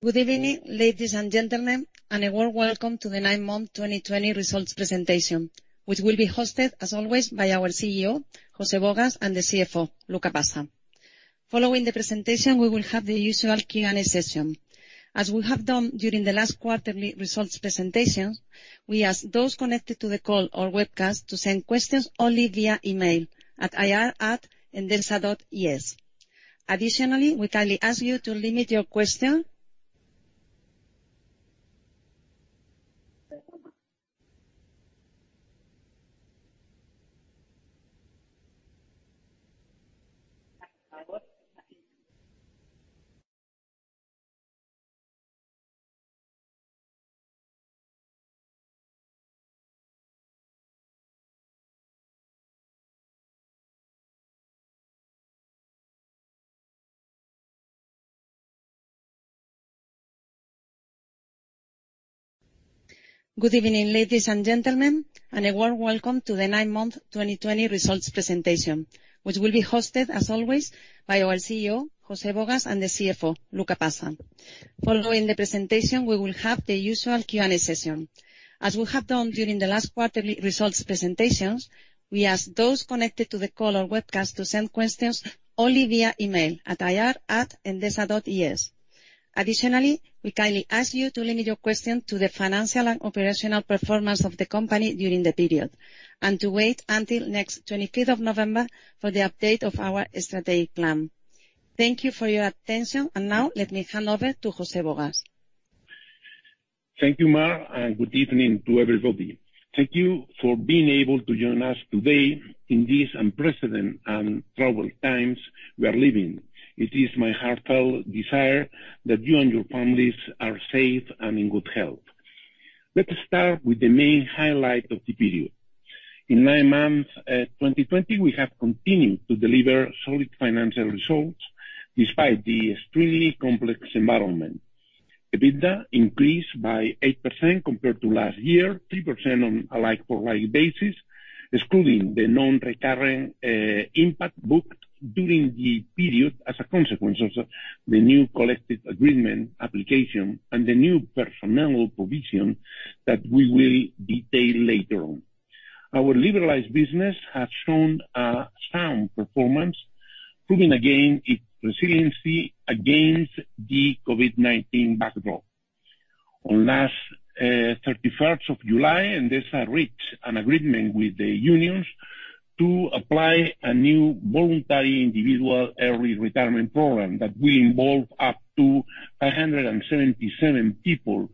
Good evening, ladies and gentlemen, and a warm welcome to the 9M 2020 results presentation, which will be hosted, as always, by our CEO, José Gálvez, and the CFO, Luca Passa. Following the presentation, we will have the usual Q&A session. As we have done during the last quarterly results presentations, we ask those connected to the call or webcast to send questions only via email at ir@endesa.es. Additionally, we kindly ask you to limit your questions. Additionally, we kindly ask you to limit your questions to the financial and operational performance of the company during the period, and to wait until next 25th of November for the update of our strategic plan. Thank you for your attention, and now let me hand over to José Gálvez. Thank you, Mar, and good evening to everybody. Thank you for being able to join us today in these unprecedented and troubled times we are living. It is my heartfelt desire that you and your families are safe and in good health. Let's start with the main highlight of the period. In 9M 2020, we have continued to deliver solid financial results despite the extremely complex environment. EBITDA increased by 8% compared to last year, 3% on a like-for-like basis, excluding the non-recurring impact booked during the period as a consequence of the new collective agreement application and the new personnel provision that we will detail later on. Our liberalized business has shown sound performance, proving again its resiliency against the COVID-19 backdrop. On the 31st of July, Endesa reached an agreement with the unions to apply a new voluntary individual early retirement program that will involve up to 577 people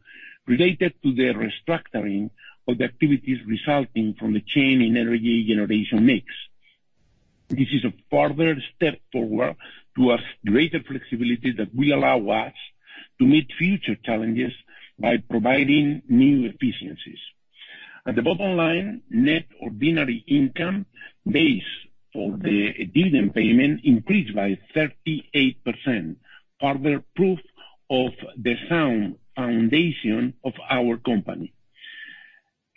related to the restructuring of the activities resulting from the change in energy generation mix. This is a further step forward towards greater flexibility that will allow us to meet future challenges by providing new efficiencies. At the bottom line, net ordinary income base for the dividend payment increased by 38%, further proof of the sound foundation of our company.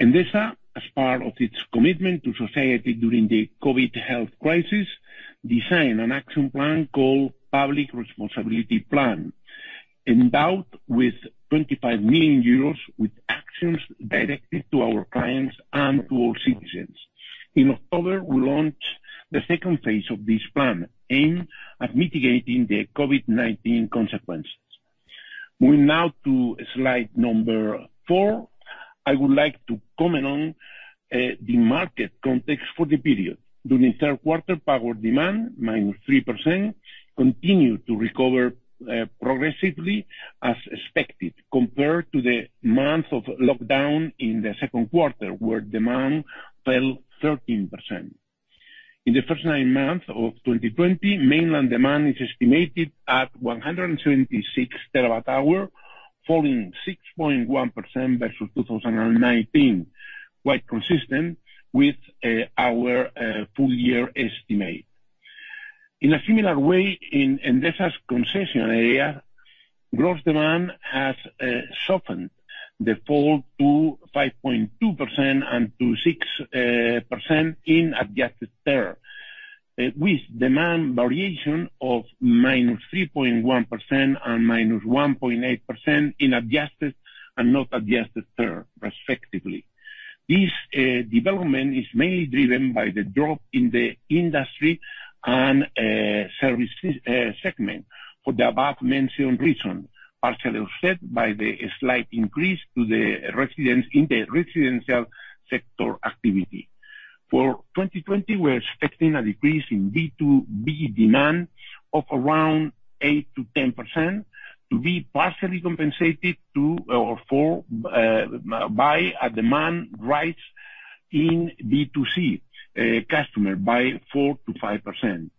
Endesa, as part of its commitment to society during the COVID health crisis, designed an action plan called Public Responsibility Plan, endowed with 25 million euros with actions directed to our clients and to all citizens. In October, we launched the second phase of this plan aimed at mitigating the COVID-19 consequences. Moving now to slide number four, I would like to comment on the market context for the period. During third quarter, power demand minus 3% continued to recover progressively as expected compared to the month of lockdown in the second quarter, where demand fell 13%. In the first nine months of 2020, Mainland demand is estimated at 176 terawatt-hour, falling 6.1% versus 2019, quite consistent with our full-year estimate. In a similar way, in Endesa's concession area, gross demand has softened the fall to 5.2% and to 6% in adjusted terms, with demand variation of minus 3.1% and minus 1.8% in adjusted and not adjusted ter, respectively. This development is mainly driven by the drop in the industry and service segment for the above-mentioned reason, partially offset by the slight increase in the residential sector activity. For 2020, we're expecting a decrease in B2B demand of around 8%-10% to be partially compensated by demand rise in B2C customers by 4%-5%.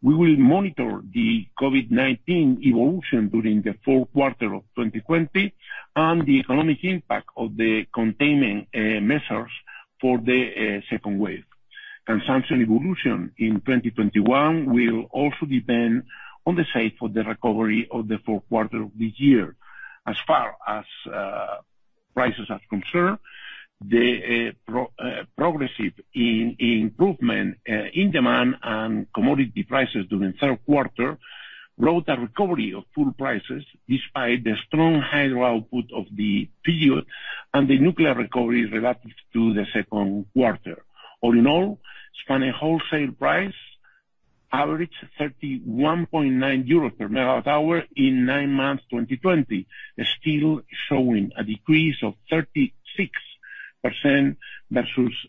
We will monitor the COVID-19 evolution during the fourth quarter of 2020 and the economic impact of the containment measures for the second wave. Consumption evolution in 2021 will also depend on the size of the recovery of the fourth quarter of this year. As far as prices are concerned, the progressive improvement in demand and commodity prices during the third quarter brought a recovery of pool prices despite the strong hydro output of the period and the nuclear recovery relative to the second quarter. All in all, Spanish wholesale price averaged €31.9 per megawatt-hour in 9M 2020, still showing a decrease of 36% versus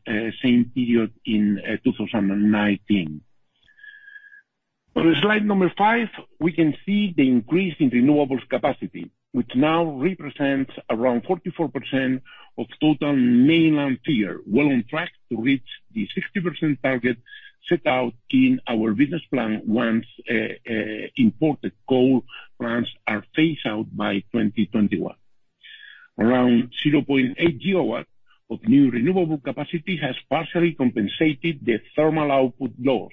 the same period in 2019. On slide number five, we can see the increase in renewables capacity, which now represents around 44% of total mainland figure, well on track to reach the 60% target set out in our business plan once imported coal plants are phased out by 2021. Around 0.8 gigawatts of new renewable capacity has partially compensated the thermal output loss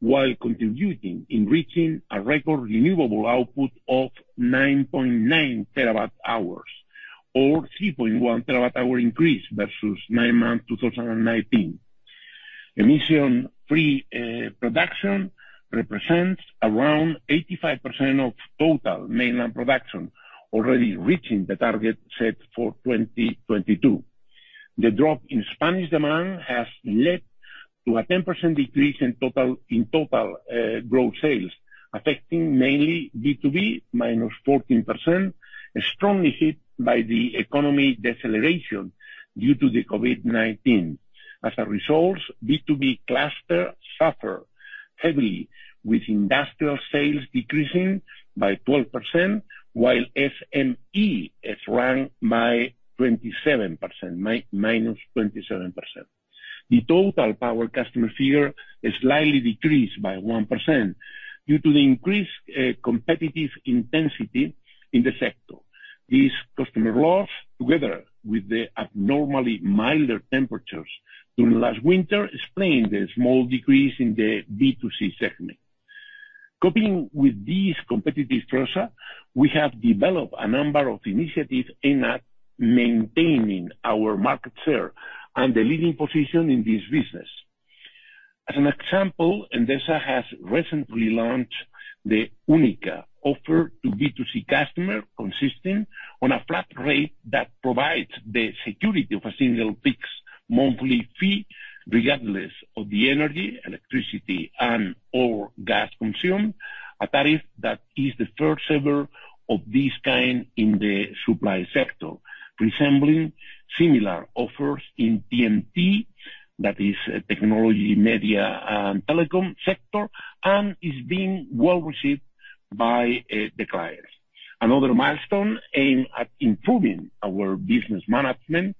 while contributing in reaching a record renewable output of 9.9 terawatt-hours, or 3.1 terawatt-hour increase versus 9M 2019. Emission-free production represents around 85% of total mainland production, already reaching the target set for 2022. The drop in Spanish demand has led to a 10% decrease in total gross sales, affecting mainly B2B -14%, strongly hit by the economy deceleration due to the COVID-19. As a result, B2B clusters suffer heavily, with industrial sales decreasing by 12%, while SMEs shrank by 27%, -27%. The total power customer figure is slightly decreased by 1% due to the increased competitive intensity in the sector. These customer loss, together with the abnormally milder temperatures during last winter, explain the small decrease in the B2C segment. Coping with these competitive pressures, we have developed a number of initiatives aimed at maintaining our market share and the leading position in this business. As an example, Endesa has recently launched the Única offer to B2C customers, consisting on a flat rate that provides the security of a single fixed monthly fee regardless of the energy, electricity, and/or gas consumed, a tariff that is the first ever of this kind in the supply sector, resembling similar offers in TMT, that is technology, media, and telecom sector, and is being well received by the clients. Another milestone aimed at improving our business management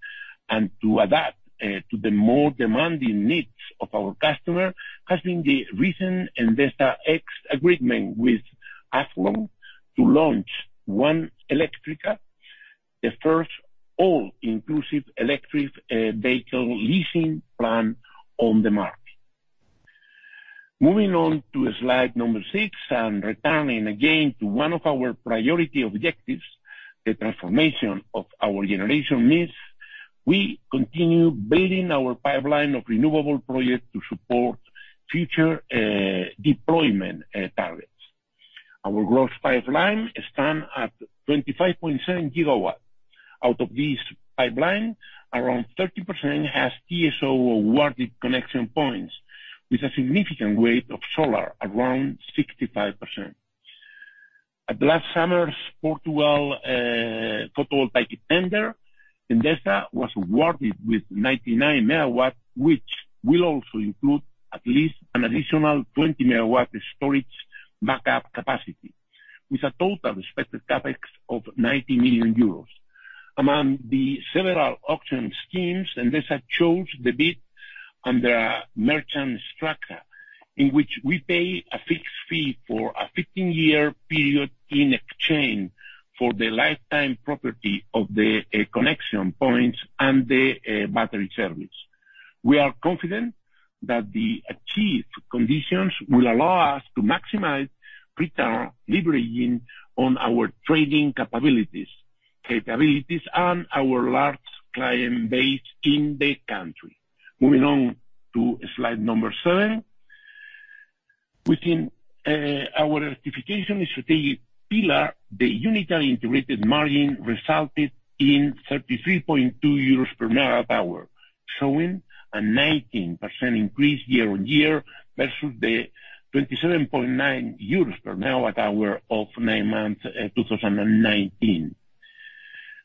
and to adapt to the more demanding needs of our customers has been the recent Endesa X agreement with Athlon to launch OneElectrica, the first all-inclusive electric vehicle leasing plan on the market. Moving on to slide number six and returning again to one of our priority objectives, the transformation of our generation mix, we continue building our pipeline of renewable projects to support future deployment targets. Our gross pipeline stands at 25.7 gigawatts. Out of this pipeline, around 30% has TSO awarded connection points, with a significant weight of solar, around 65%. At last summer's Portugal photovoltaic tender, Endesa was awarded with 99 megawatts, which will also include at least an additional 20 megawatt storage backup capacity, with a total expected Capex of 90 million euros. Among the several auction schemes, Endesa chose the bid under a merchant structure, in which we pay a fixed fee for a 15-year period in exchange for the lifetime property of the connection points and the battery service. We are confident that the achieved conditions will allow us to maximize return leveraging on our trading capabilities and our large client base in the country. Moving on to slide number seven, within our generation strategic pillar, the unitary integrated margin resulted in 33.2 euros per megawatt-hour, showing a 19% increase year-on-year versus the 27.9 euros per megawatt-hour of 9M 2019,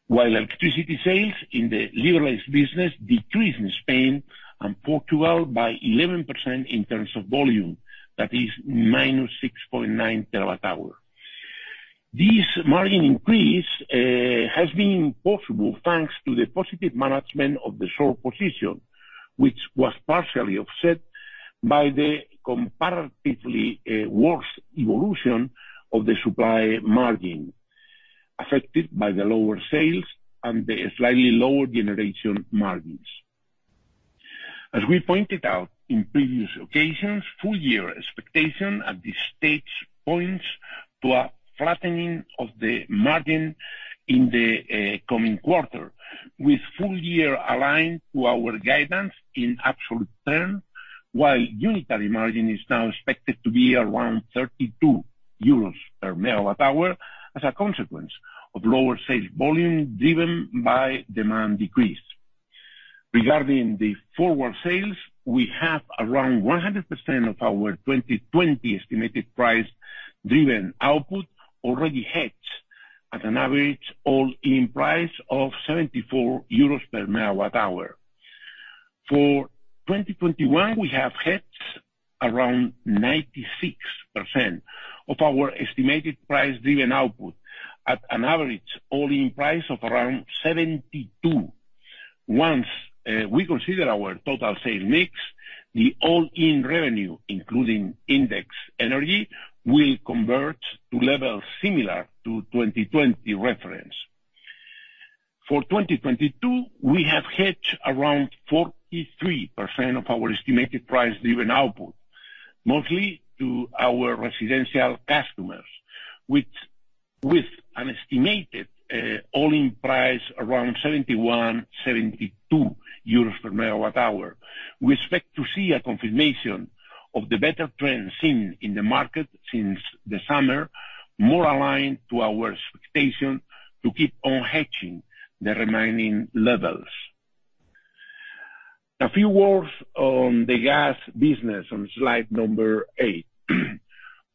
while electricity sales in the liberalized business decreased in Spain and Portugal by 11% in terms of volume, that is minus 6.9 terawatt-hour. This margin increase has been possible thanks to the positive management of the short position, which was partially offset by the comparatively worse evolution of the supply margin affected by the lower sales and the slightly lower generation margins. As we pointed out in previous occasions, full-year expectation at this stage points to a flattening of the margin in the coming quarter, with full-year aligned to our guidance in absolute term, while unitary margin is now expected to be around €32 per megawatt-hour as a consequence of lower sales volume driven by demand decrease. Regarding the forward sales, we have around 100% of our 2020 estimated price-driven output already hedged at an average all-in price of €74 per megawatt-hour. For 2021, we have hedged around 96% of our estimated price-driven output at an average all-in price of around 72. Once we consider our total sales mix, the all-in revenue, including indexed energy, will convert to levels similar to 2020 reference. For 2022, we have hedged around 43% of our estimated price-driven output, mostly to our residential customers, with an estimated all-in price around EUR 71-EUR 72 per megawatt-hour. We expect to see a confirmation of the better trends seen in the market since the summer, more aligned to our expectation to keep on hedging the remaining levels. A few words on the gas business on slide number eight.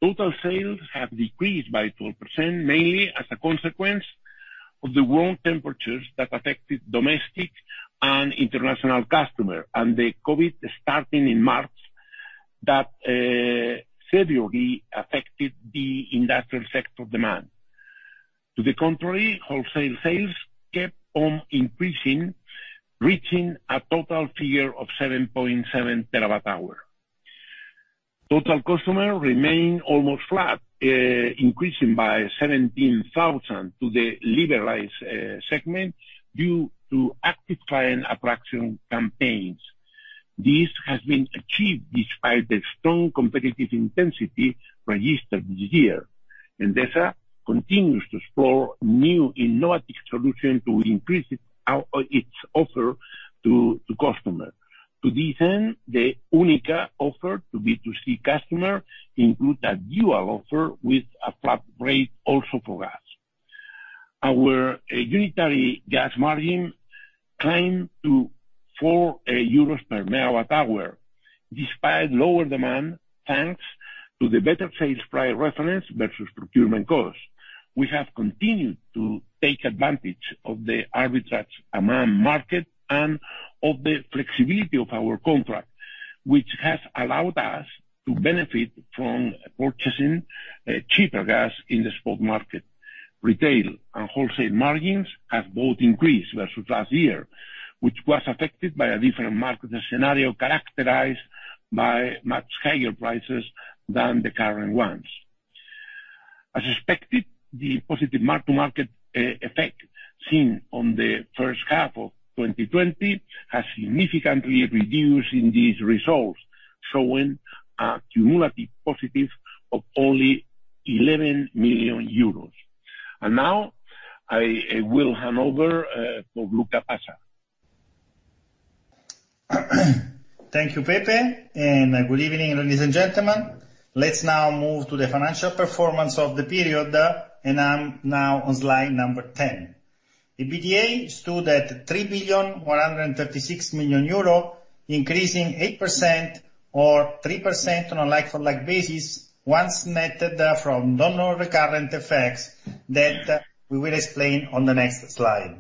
Total sales have decreased by 12%, mainly as a consequence of the warm temperatures that affected domestic and international customers and the COVID starting in March that severely affected the industrial sector demand. To the contrary, wholesale sales kept on increasing, reaching a total figure of 7.7 terawatt-hour. Total customers remain almost flat, increasing by 17,000 to the liberalized segment due to active client attraction campaigns. This has been achieved despite the strong competitive intensity registered this year. Endesa continues to explore new innovative solutions to increase its offer to customers. To this end, the Única offer to B2C customers includes a dual offer with a flat rate also for gas. Our unitary gas margin climbed to 4 euros per megawatt-hour despite lower demand thanks to the better sales price reference versus procurement cost. We have continued to take advantage of the arbitrage among markets and of the flexibility of our contract, which has allowed us to benefit from purchasing cheaper gas in the spot market. Retail and wholesale margins have both increased versus last year, which was affected by a different market scenario characterized by much higher prices than the current ones. As expected, the positive mark-to-market effect seen on the first half of 2020 has significantly reduced in these results, showing a cumulative positive of only 11 million euros, and now I will hand over to Luca Passa. Thank you, Pepe, and good evening, ladies and gentlemen. Let's now move to the financial performance of the period, and I'm now on slide number 10. The EBITDA stood at 3,136 million euro, increasing 8% or 3% on a like-for-like basis once netted from non-recurrent effects that we will explain on the next slide.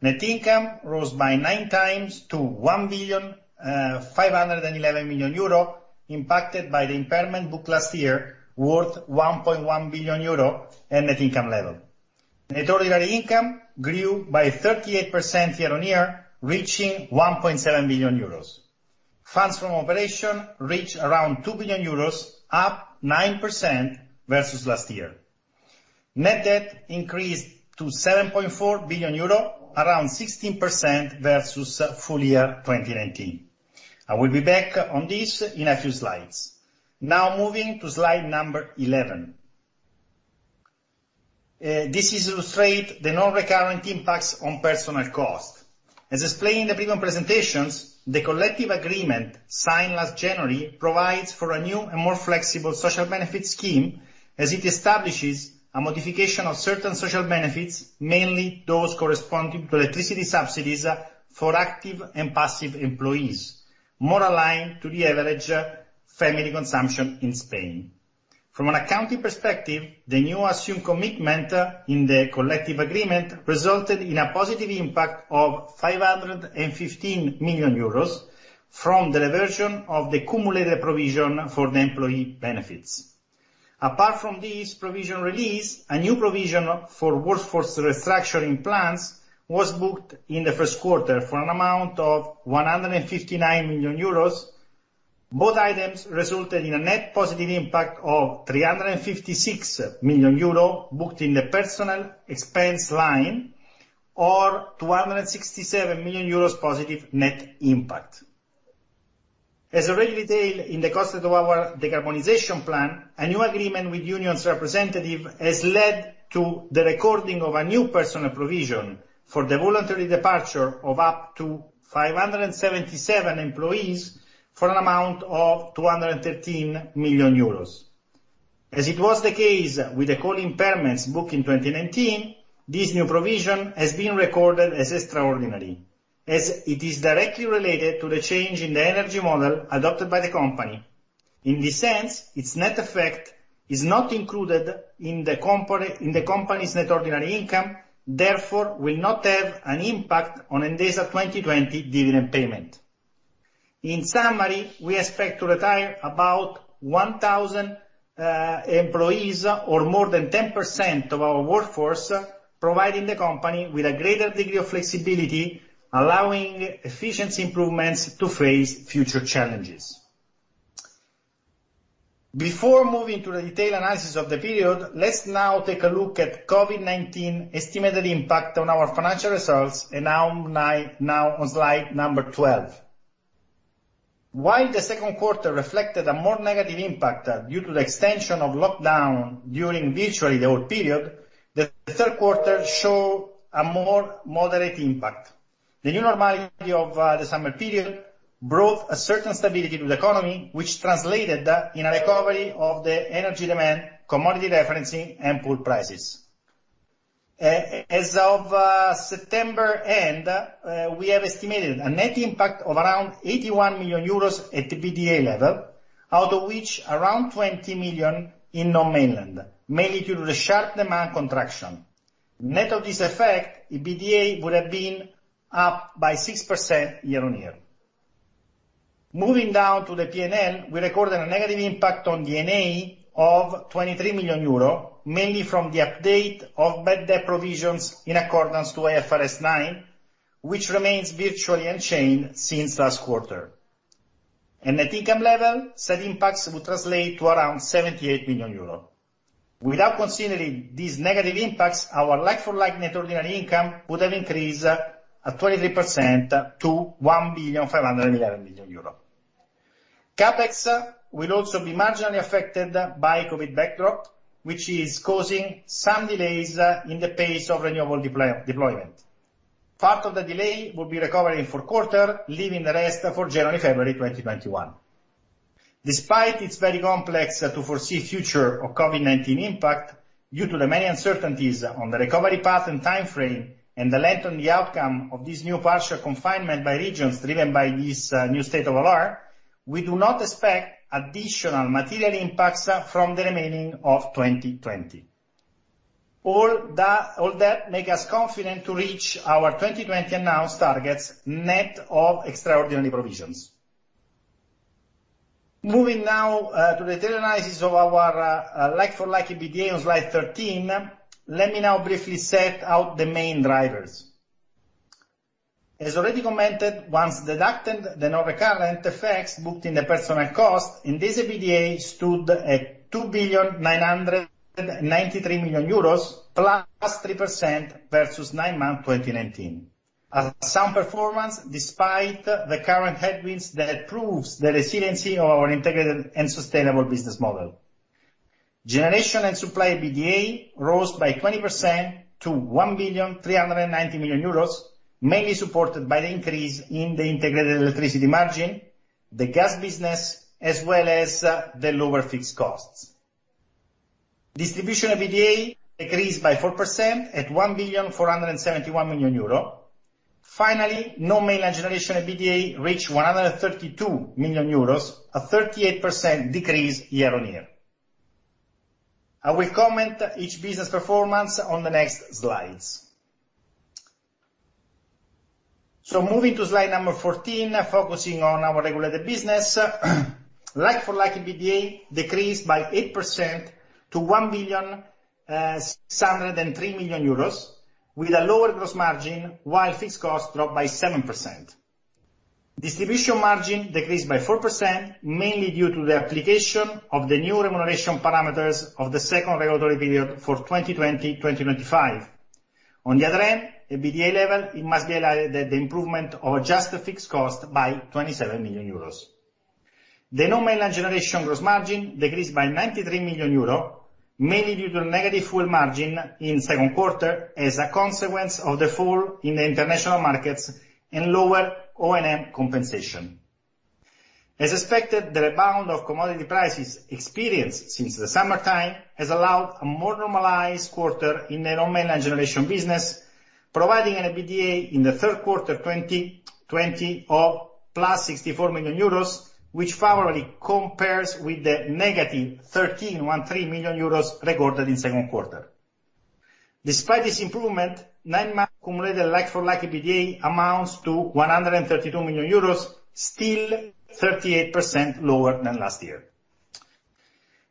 Net income rose by nine times to 1,511 million euro, impacted by the impairment booked last year worth 1.1 billion euro at net income level. Net ordinary income grew by 38% year-on-year, reaching 1.7 billion euros. Funds from operation reached around 2 billion euros, up 9% versus last year. Net debt increased to 7.4 billion euro, around 16% versus full year 2019. I will be back on this in a few slides. Now, moving to slide number 11. This is to illustrate the non-recurring impacts on personnel cost. As explained in the previous presentations, the collective agreement signed last January provides for a new and more flexible social benefit scheme as it establishes a modification of certain social benefits, mainly those corresponding to electricity subsidies for active and passive employees, more aligned to the average family consumption in Spain. From an accounting perspective, the new assumed commitment in the collective agreement resulted in a positive impact of 515 million euros from the reversion of the cumulative provision for the employee benefits. Apart from this provision release, a new provision for workforce restructuring plans was booked in the first quarter for an amount of 159 million euros. Both items resulted in a net positive impact of € 356 million booked in the personal expense line, or € 267 million positive net impact. As already detailed in the concept of our decarbonization plan, a new agreement with unions representatives has led to the recording of a new personal provision for the voluntary departure of up to 577 employees for an amount of € 213 million. As it was the case with the coal impairments booked in 2019, this new provision has been recorded as extraordinary, as it is directly related to the change in the energy model adopted by the company. In this sense, its net effect is not included in the company's net ordinary income, therefore will not have an impact on Endesa 2020 dividend payment. In summary, we expect to retire about 1,000 employees, or more than 10% of our workforce, providing the company with a greater degree of flexibility, allowing efficiency improvements to face future challenges. Before moving to the detailed analysis of the period, let's now take a look at COVID-19 estimated impact on our financial results, and I'm now on slide number 12. While the second quarter reflected a more negative impact due to the extension of lockdown during virtually the whole period, the third quarter showed a more moderate impact. The new normality of the summer period brought a certain stability to the economy, which translated in a recovery of the energy demand, commodity prices, and power prices. As of September end, we have estimated a net impact of around 81 million euros at the EBITDA level, out of which around 20 million in non-Mainland, mainly due to the sharp demand contraction. Net of this effect, the EBITDA would have been up by 6% year-on-year. Moving down to the P&L, we recorded a negative impact on the EBITDA of € 23 million, mainly from the update of bad debt provisions in accordance with IFRS 9, which remains virtually unchanged since last quarter. At net income level, said impacts would translate to around € 78 million. Without considering these negative impacts, our like-for-like net ordinary income would have increased at 23% to € 1,511 million. CapEx will also be marginally affected by COVID backdrop, which is causing some delays in the pace of renewable deployment. Part of the delay will be recovered in the fourth quarter, leaving the rest for January-February 2021. Despite its being very complex to foresee the future of COVID-19 impact due to the many uncertainties on the recovery path and time frame and the length of the outcome of this new partial confinement by regions driven by this new state of alarm, we do not expect additional material impacts from the remaining of 2020. All that makes us confident to reach our 2020 announced targets net of extraordinary provisions. Moving now to the data analysis of our like-for-like EBITDA on slide 13, let me now briefly set out the main drivers. As already commented, once deducted the non-recurrent effects booked in the personnel cost, Endesa EBITDA stood at 2,993 million euros plus 3% versus 9M 2019. A sound performance despite the current headwinds that proves the resiliency of our integrated and sustainable business model. Generation and supply EBITDA rose by 20% to 1,390 million euros, mainly supported by the increase in the integrated electricity margin, the gas business, as well as the lower fixed costs. Distribution EBITDA decreased by 4% at 1,471 million euro. Finally, non-Mainland generation EBITDA reached 132 million euros, a 38% decrease year-on-year. I will comment each business performance on the next slides. So moving to slide number 14, focusing on our regulated business, like-for-like EBITDA decreased by 8% to 1,603 million euros, with a lower gross margin while fixed costs dropped by 7%. Distribution margin decreased by 4%, mainly due to the application of the new remuneration parameters of the second regulatory period for 2020-2025. On the other end, at EBITDA level, it must be highlighted that the improvement of adjusted fixed costs by 27 million euros. The Non-Mainland generation gross margin decreased by € 93 million, mainly due to a negative fuel margin in the second quarter as a consequence of the fall in the international markets and lower O&M compensation. As expected, the rebound of commodity prices experienced since the summertime has allowed a more normalized quarter in the Non-Mainland generation business, providing an EBITDA in the third quarter 2020 of € 64 million, which favorably compares with the negative € 13 million recorded in the second quarter. Despite this improvement, 9M cumulated like-for-like EBITDA amounts to € 132 million, still 38% lower than last year.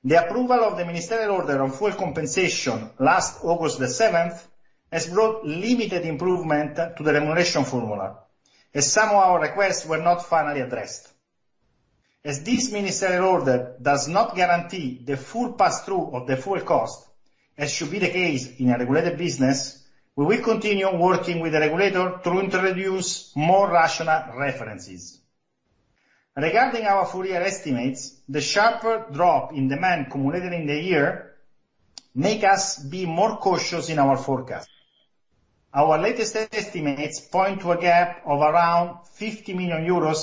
The approval of the ministerial order on fuel compensation last August the 7th has brought limited improvement to the remuneration formula, as some of our requests were not finally addressed. As this ministerial order does not guarantee the full pass-through of the fuel cost, as should be the case in a regulated business, we will continue working with the regulator to introduce more rational references. Regarding our full year estimates, the sharper drop in demand cumulated in the year makes us be more cautious in our forecast. Our latest estimates point to a gap of around €50 million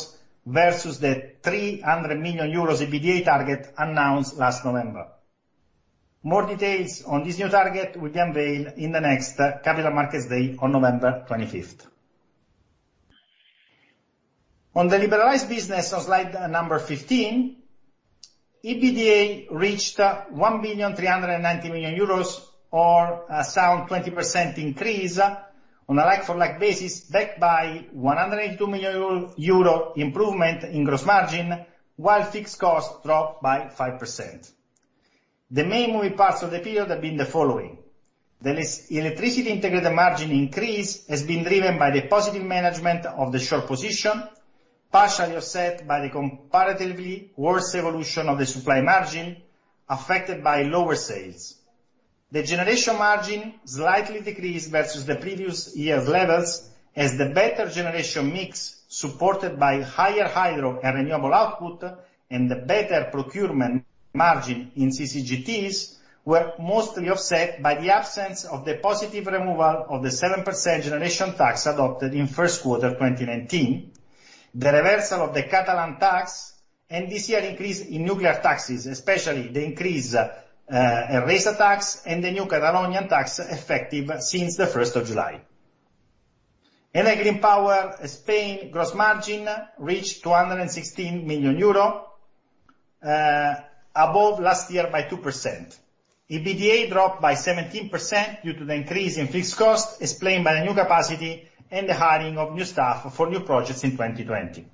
versus the €300 million EBITDA target announced last November. More details on this new target will be unveiled in the next Capital Markets Day on November 25th. On the liberalized business on slide number 15, EBITDA reached €1,390 million, or a sound 20% increase on a like-for-like basis, backed by €182 million improvement in gross margin, while fixed costs dropped by 5%. The main moving parts of the period have been the following. The electricity integrated margin increase has been driven by the positive management of the short position, partially offset by the comparatively worse evolution of the supply margin affected by lower sales. The generation margin slightly decreased versus the previous year's levels, as the better generation mix supported by higher hydro and renewable output and the better procurement margin in CCGTs were mostly offset by the absence of the positive removal of the 7% generation tax adopted in the first quarter 2019, the reversal of the Catalan tax, and this year's increase in nuclear taxes, especially the increase in Enresa tax and the new Catalan tax effective since the 1st of July. Enel Green Power Spain gross margin reached 216 million euro, above last year by 2%. EBITDA dropped by 17% due to the increase in fixed costs explained by the new capacity and the hiring of new staff for new projects in 2020.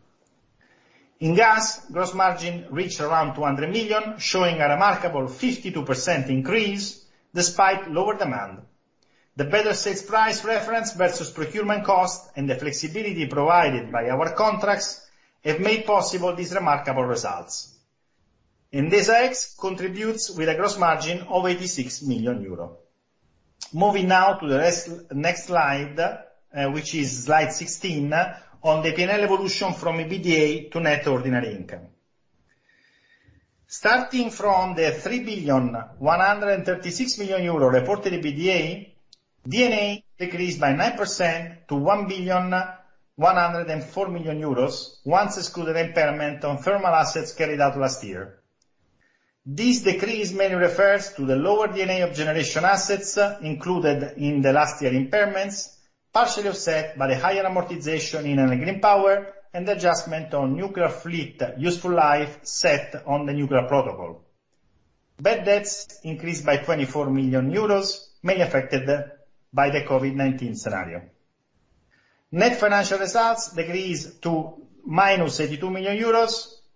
In gas, gross margin reached around € 200 million, showing a remarkable 52% increase despite lower demand. The better sales price reference versus procurement cost and the flexibility provided by our contracts have made possible these remarkable results. Endesa X contributes with a gross margin of € 86 million. Moving now to the next slide, which is slide 16, on the P&L evolution from EBITDA to net ordinary income. Starting from the € 3,136 million reported EBITDA, D&A decreased by 9% to € 1,104 million, once excluded impairment on thermal assets carried out last year. This decrease mainly refers to the lower EBITDA of generation assets included in the last year impairments, partially offset by the higher amortization in energy and power and the adjustment on nuclear fleet useful life set on the nuclear protocol. Bad debts increased by € 24 million, mainly affected by the COVID-19 scenario. Net financial results decreased to € 82 million,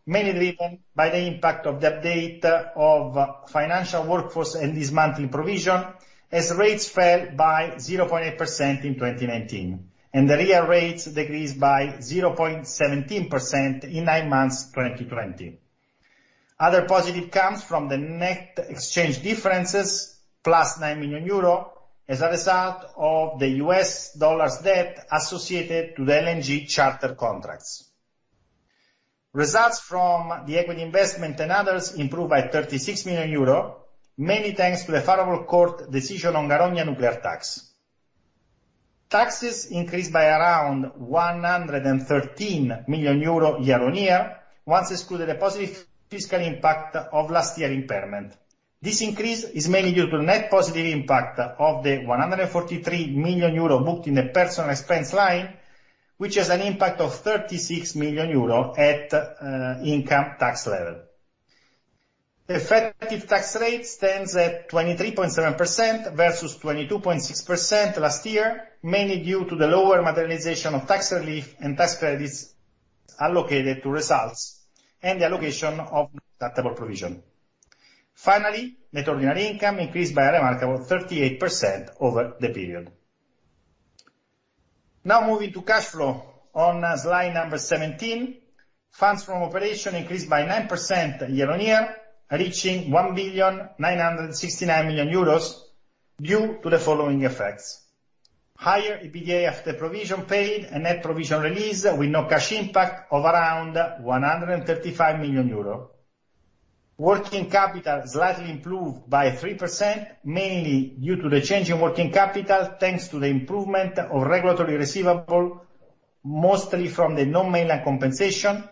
mainly driven by the impact of the update of financial workforce and dismantling provision, as rates fell by 0.8% in 2019, and the real rates decreased by 0.17% in 9M 2020. Other positive comes from the net exchange differences plus € 9 million as a result of the US dollars debt associated to the LNG charter contracts. Results from the equity investment and others improved by € 36 million, mainly thanks to the favorable court decision on Garoña nuclear tax. Taxes increased by around € 113 million year-on-year, once excluded the positive fiscal impact of last year's impairment. This increase is mainly due to the net positive impact of the € 143 million booked in the personal expense line, which has an impact of € 36 million at income tax level. Effective tax rate stands at 23.7% versus 22.6% last year, mainly due to the lower modernization of tax relief and tax credits allocated to results and the allocation of deductible provision. Finally, net ordinary income increased by a remarkable 38% over the period. Now moving to cash flow on slide number 17, funds from operation increased by 9% year-on-year, reaching € 1,969 million due to the following effects: higher EBITDA after provision paid and net provision release with no cash impact of around € 135 million. Working capital slightly improved by 3%, mainly due to the change in working capital thanks to the improvement of regulatory receivable, mostly from the non-Mainland compensation,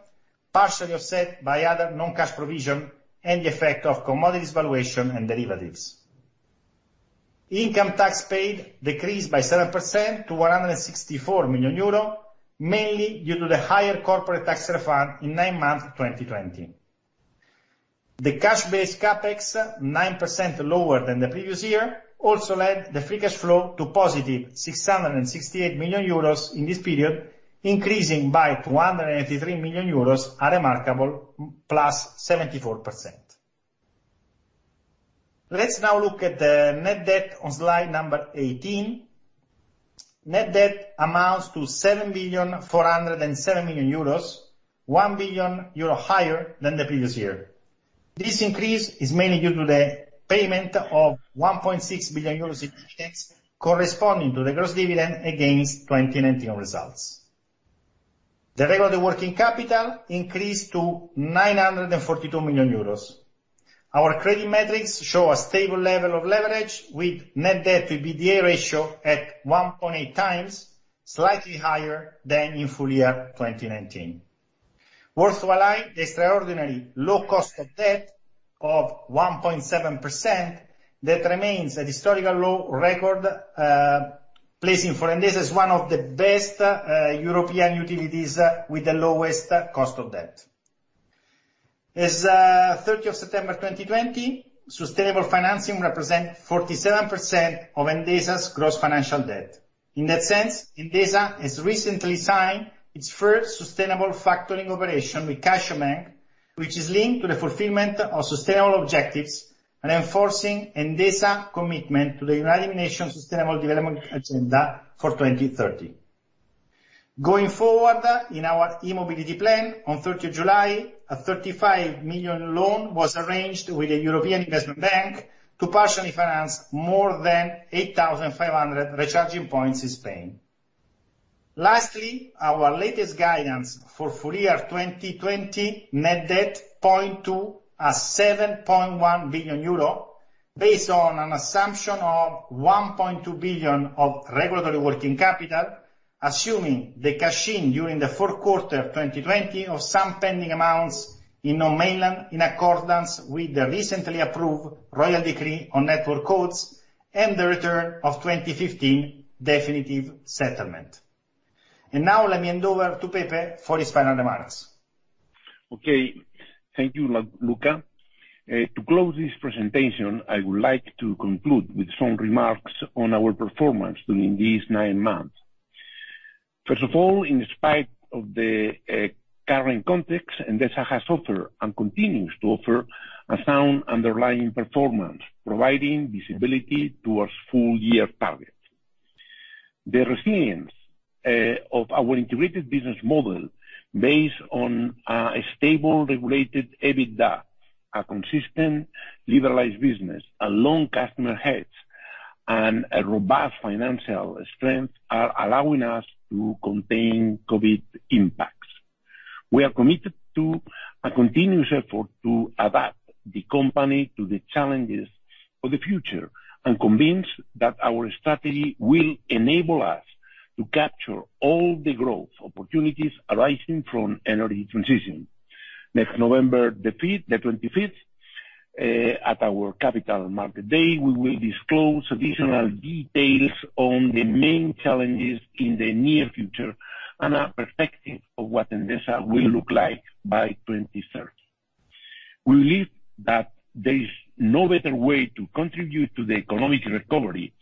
partially offset by other non-cash provision and the effect of commodities valuation and derivatives. Income tax paid decreased by 7% to €164 million, mainly due to the higher corporate tax refund in 9M 2020. The cash-based Capex, 9% lower than the previous year, also led the free cash flow to positive €668 million in this period, increasing by €283 million, a remarkable plus 74%. Let's now look at the net debt on slide number 18. Net debt amounts to €7,407 million, €1 billion higher than the previous year. This increase is mainly due to the payment of €1.6 billion in income tax corresponding to the gross dividend against 2019 results. The regularatory working capital increased to €942 million. Our credit metrics show a stable level of leverage, with net debt to EBITDA ratio at 1.8 times, slightly higher than in full year 2019. It's worthwhile to highlight, the extraordinary low cost of debt of 1.7% that remains a historical low record, placing Endesa as one of the best European utilities with the lowest cost of debt. As of 30 September 2020, sustainable financing represents 47% of Endesa's gross financial debt. In that sense, Endesa has recently signed its first sustainable factoring operation with Caixabank, which is linked to the fulfillment of sustainable objectives and reinforcing Endesa's commitment to the United Nations Sustainable Development Agenda for 2030. Going forward in our e-mobility plan, on 30 July, a 35 million loan was arranged with the European Investment Bank to partially finance more than 8,500 recharging points in Spain. Lastly, our latest guidance for full year 2020 net debt points to €7.1 billion, based on an assumption of €1.2 billion of regulatory working capital, assuming the cashing during the fourth quarter 2020 of some pending amounts in non-Mainland in accordance with the recently approved Royal Decree on Network Codes and the return of 2015 definitive settlement. And now let me hand over to Pepe for his final remarks. Okay, thank you, Luca. To close this presentation, I would like to conclude with some remarks on our performance during these 9M. First of all, in spite of the current context, Endesa has offered and continues to offer a sound underlying performance, providing visibility towards full year targets. The resilience of our integrated business model based on a stable regulated EBITDA, a consistent liberalized business, and long customer hedge, and a robust financial strength are allowing us to contain COVID impacts. We are committed to a continuous effort to adapt the company to the challenges of the future and convinced that our strategy will enable us to capture all the growth opportunities arising from energy transition. Next November the 5th, the 25th, at our Capital Markets Day, we will disclose additional details on the main challenges in the near future and a perspective of what Endesa will look like by 2030. We believe that there is no better way to contribute to the economic recovery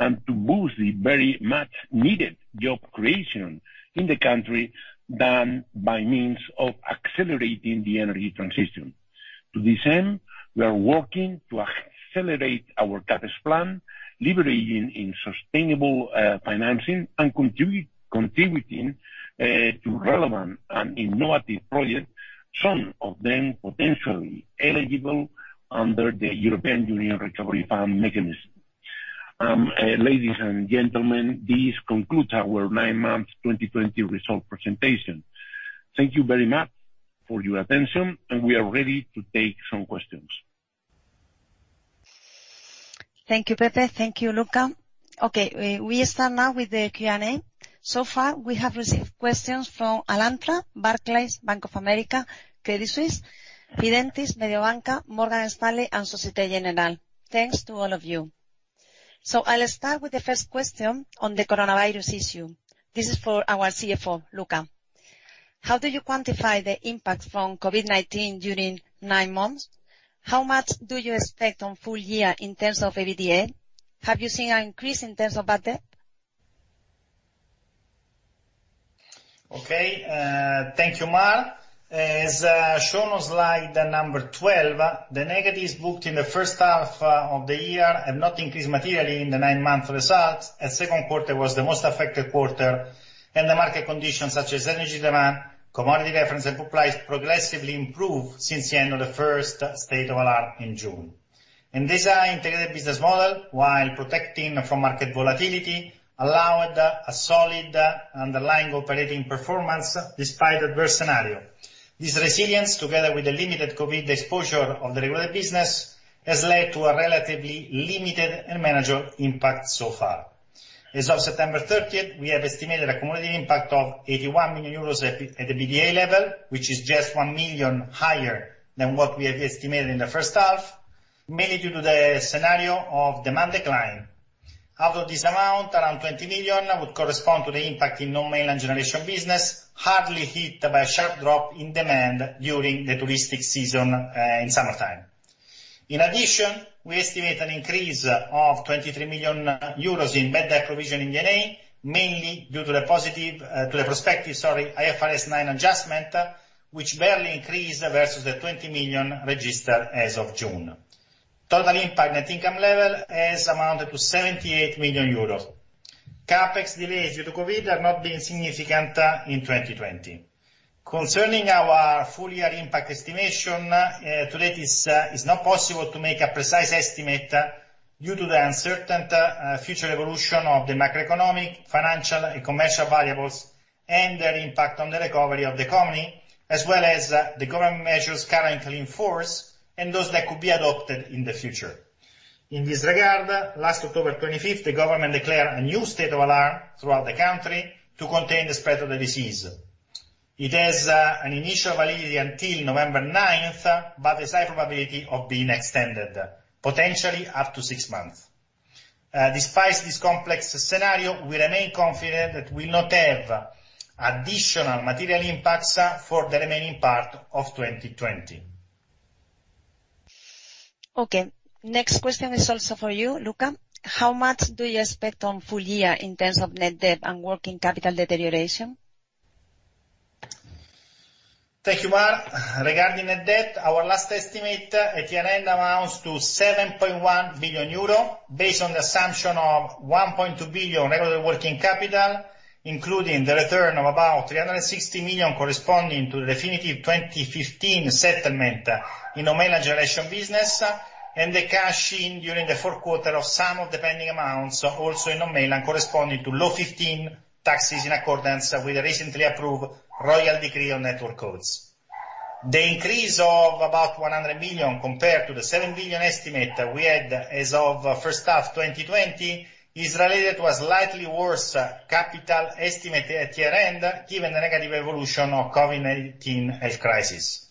and to boost the very much needed job creation in the country than by means of accelerating the energy transition. To this end, we are working to accelerate our CapEx plan, leveraging sustainable financing and contributing to relevant and innovative projects, some of them potentially eligible under the European Union Recovery Fund mechanism. Ladies and gentlemen, this concludes our 9M 2020 results presentation. Thank you very much for your attention, and we are ready to take some questions. Thank you, Pepe. Thank you, Luca. Okay, we start now with the Q&A. So far, we have received questions from Alantra, Barclays, Bank of America, Credit Suisse, Fidelity, Mediobanca, Morgan Stanley, and Société Générale. Thanks to all of you. So I'll start with the first question on the coronavirus issue. This is for our CFO, Luca. How do you quantify the impact from COVID-19 during 9M? How much do you expect on full year in terms of EBITDA? Have you seen an increase in terms of bad debt? Okay, thank you, Mar. As shown on slide number 12, the negatives booked in the first half of the year have not increased materially in the 9M results. The second quarter was the most affected quarter, and the market conditions, such as energy demand, commodity reference, and supplies, progressively improved since the end of the first state of alarm in June. Endesa's integrated business model, while protecting from market volatility, allowed a solid underlying operating performance despite adverse scenarios. This resilience, together with the limited COVID exposure of the regular business, has led to a relatively limited and manageable impact so far. As of September 30th, we have estimated a cumulative impact of 81 million euros at the EBITDA level, which is just 1 million higher than what we have estimated in the first half, mainly due to the scenario of demand decline. Out of this amount, around 20 million would correspond to the impact in non-Mainland generation business, hard hit by a sharp drop in demand during the tourist season in summertime. In addition, we estimate an increase of 23 million euros in bad debt provision in 9M, mainly due to the prospective IFRS 9 adjustment, which barely increased versus the 20 million registered as of June. Total impact net income level has amounted to 78 million euros. CapEx delays due to COVID have not been significant in 2020. Concerning our full year impact estimation, to date, it is not possible to make a precise estimate due to the uncertain future evolution of the macroeconomic, financial, and commercial variables and their impact on the recovery of the economy, as well as the government measures currently in force and those that could be adopted in the future. In this regard, last October 25th, the government declared a new state of alarm throughout the country to contain the spread of the disease. It has an initial validity until November 9th, but there is a high probability of being extended, potentially up to six months. Despite this complex scenario, we remain confident that we will not have additional material impacts for the remaining part of 2020. Okay, next question is also for you, Luca. How much do you expect on full year in terms of net debt and working capital deterioration? Thank you, Mar. Regarding net debt, our last estimate at year-end amounts to € 7.1 billion, based on the assumption of € 1.2 billion regular working capital, including the return of about € 360 million corresponding to the definitive 2015 settlement in Non-Mainland generation business and the cashing during the fourth quarter of some of the pending amounts, also in Non-Mainland, corresponding to 2015 taxes in accordance with the recently approved Royal Decree on Network Codes. The increase of about 100 million compared to the 7 billion estimate we had as of first half 2020 is related to a slightly worse capital estimate at year-end, given the negative evolution of the COVID-19 health crisis.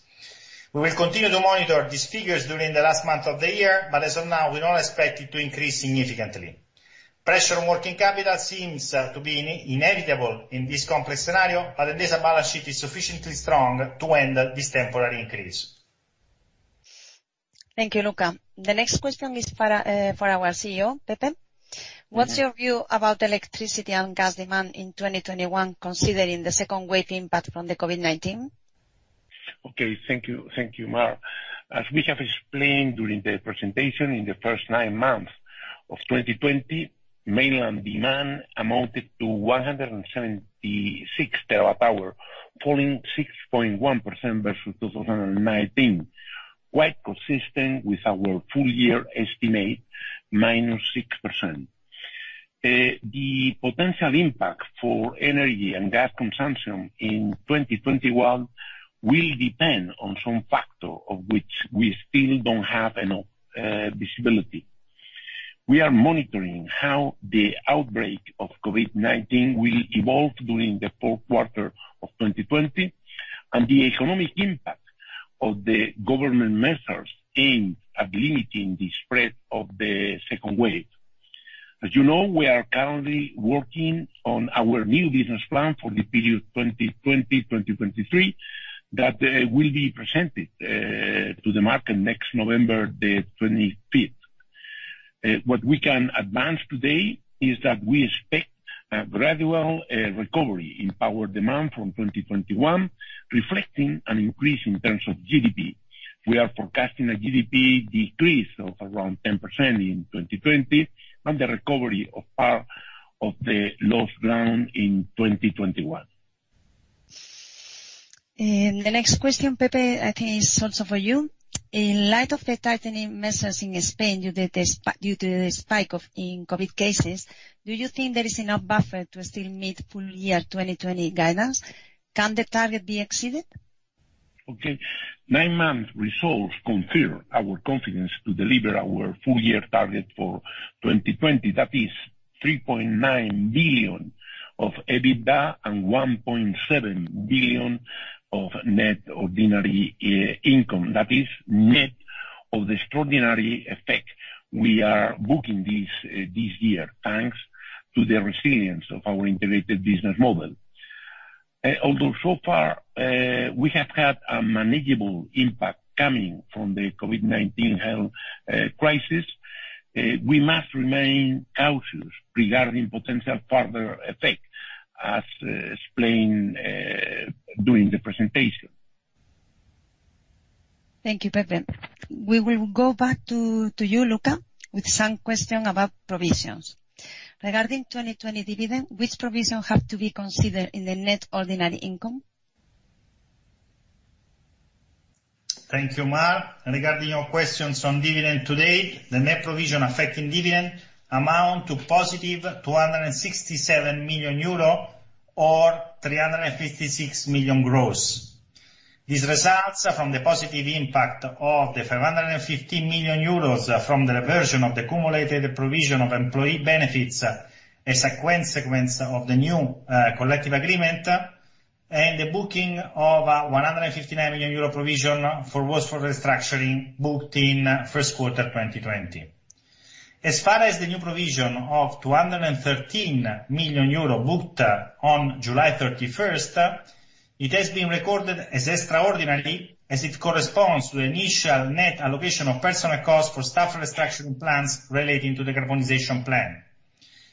We will continue to monitor these figures during the last month of the year, but as of now, we don't expect it to increase significantly. Pressure on working capital seems to be inevitable in this complex scenario, but Endesa's balance sheet is sufficiently strong to handle this temporary increase. Thank you, Luca. The next question is for our CEO, Pepe. What's your view about electricity and gas demand in 2021, considering the second wave impact from the COVID-19? Okay, thank you, Mar. As we have explained during the presentation, in the first 9M of 2020, Mainland demand amounted to 176 terawatt-hours, falling 6.1% versus 2019, quite consistent with our full year estimate, -6%. The potential impact for energy and gas consumption in 2021 will depend on some factor of which we still don't have enough visibility. We are monitoring how the outbreak of COVID-19 will evolve during the fourth quarter of 2020 and the economic impact of the government measures aimed at limiting the spread of the second wave. As you know, we are currently working on our new business plan for the period 2020-2023 that will be presented to the market next November the 25th. What we can advance today is that we expect a gradual recovery in power demand from 2021, reflecting an increase in terms of GDP. We are forecasting a GDP decrease of around 10% in 2020 and the recovery of part of the lost ground in 2021. The next question, Pepe, I think is also for you. In light of the tightening measures in Spain due to the spike in COVID cases, do you think there is enough buffer to still meet full year 2020 guidance? Can the target be exceeded? Okay, 9M results confirm our confidence to deliver our full year target for 2020, that is 3.9 billion of EBITDA and 1.7 billion of net ordinary income, that is net of the extraordinary effect we are booking this year thanks to the resilience of our integrated business model. Although so far we have had a manageable impact coming from the COVID-19 health crisis, we must remain cautious regarding potential further effects, as explained during the presentation. Thank you, Pepe. We will go back to you, Luca, with some questions about provisions. Regarding 2020 dividend, which provisions have to be considered in the net ordinary income? Thank you, Mar. Regarding your questions on dividend to date, the net provision affecting dividend amount to positive 267 million euro or 356 million gross. These results are from the positive impact of the 515 million euros from the reversion of the cumulative provision of employee benefits as a consequence of the new collective agreement and the booking of a 159 million euro provision for workforce restructuring booked in first quarter 2020. As far as the new provision of 213 million euro booked on July 31st, it has been recorded as extraordinary as it corresponds to the initial net allocation of personal costs for staff restructuring plans relating to the decarbonization plan.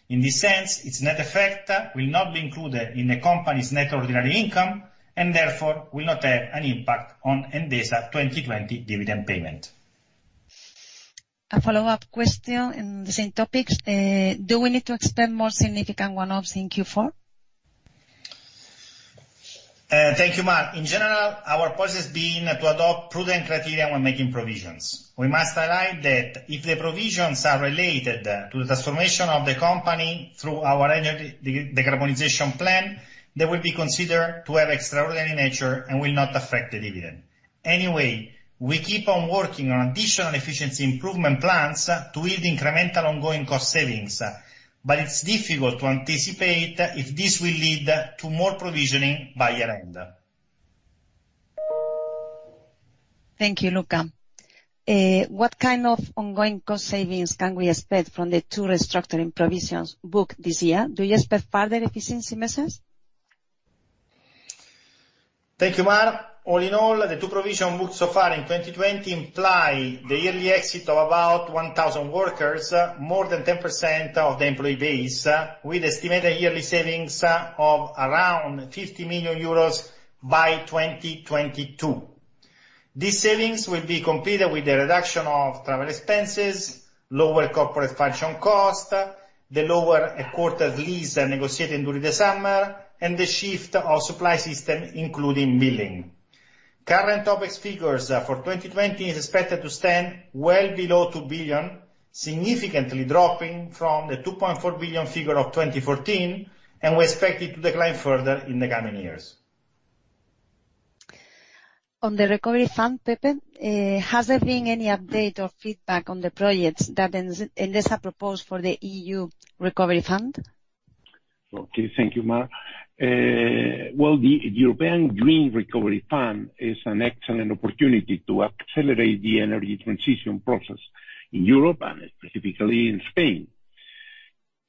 In this sense, its net effect will not be included in the company's Net Ordinary Income and therefore will not have an impact on Endesa's 2020 dividend payment. A follow-up question on the same topic. Do we need to expand more significant one-offs in Q4? Thank you, Mar. In general, our policy has been to adopt prudent criteria when making provisions. We must highlight that if the provisions are related to the transformation of the company through our energy decarbonization plan, they will be considered to have extraordinary nature and will not affect the dividend. Anyway, we keep on working on additional efficiency improvement plans to yield incremental ongoing cost savings, but it's difficult to anticipate if this will lead to more provisioning by year-end. Thank you, Luca. What kind of ongoing cost savings can we expect from the two restructuring provisions booked this year? Do you expect further efficiency measures? Thank you, Mar. All in all, the two provisions booked so far in 2020 imply the yearly exit of about 1,000 workers, more than 10% of the employee base, with estimated yearly savings of around € 50 million by 2022. These savings will be completed with the reduction of travel expenses, lower corporate function costs, the lower quarter's lease negotiated during the summer, and the shift of supply system including billing. Current OpEx figures for 2020 are expected to stand well below € 2 billion, significantly dropping from the € 2.4 billion figure of 2014, and we expect it to decline further in the coming years. On the Recovery Fund, Pepe, has there been any update or feedback on the projects that Endesa proposed for the EU Recovery Fund? Okay, thank you, Mar. The European Green Recovery Fund is an excellent opportunity to accelerate the energy transition process in Europe and specifically in Spain.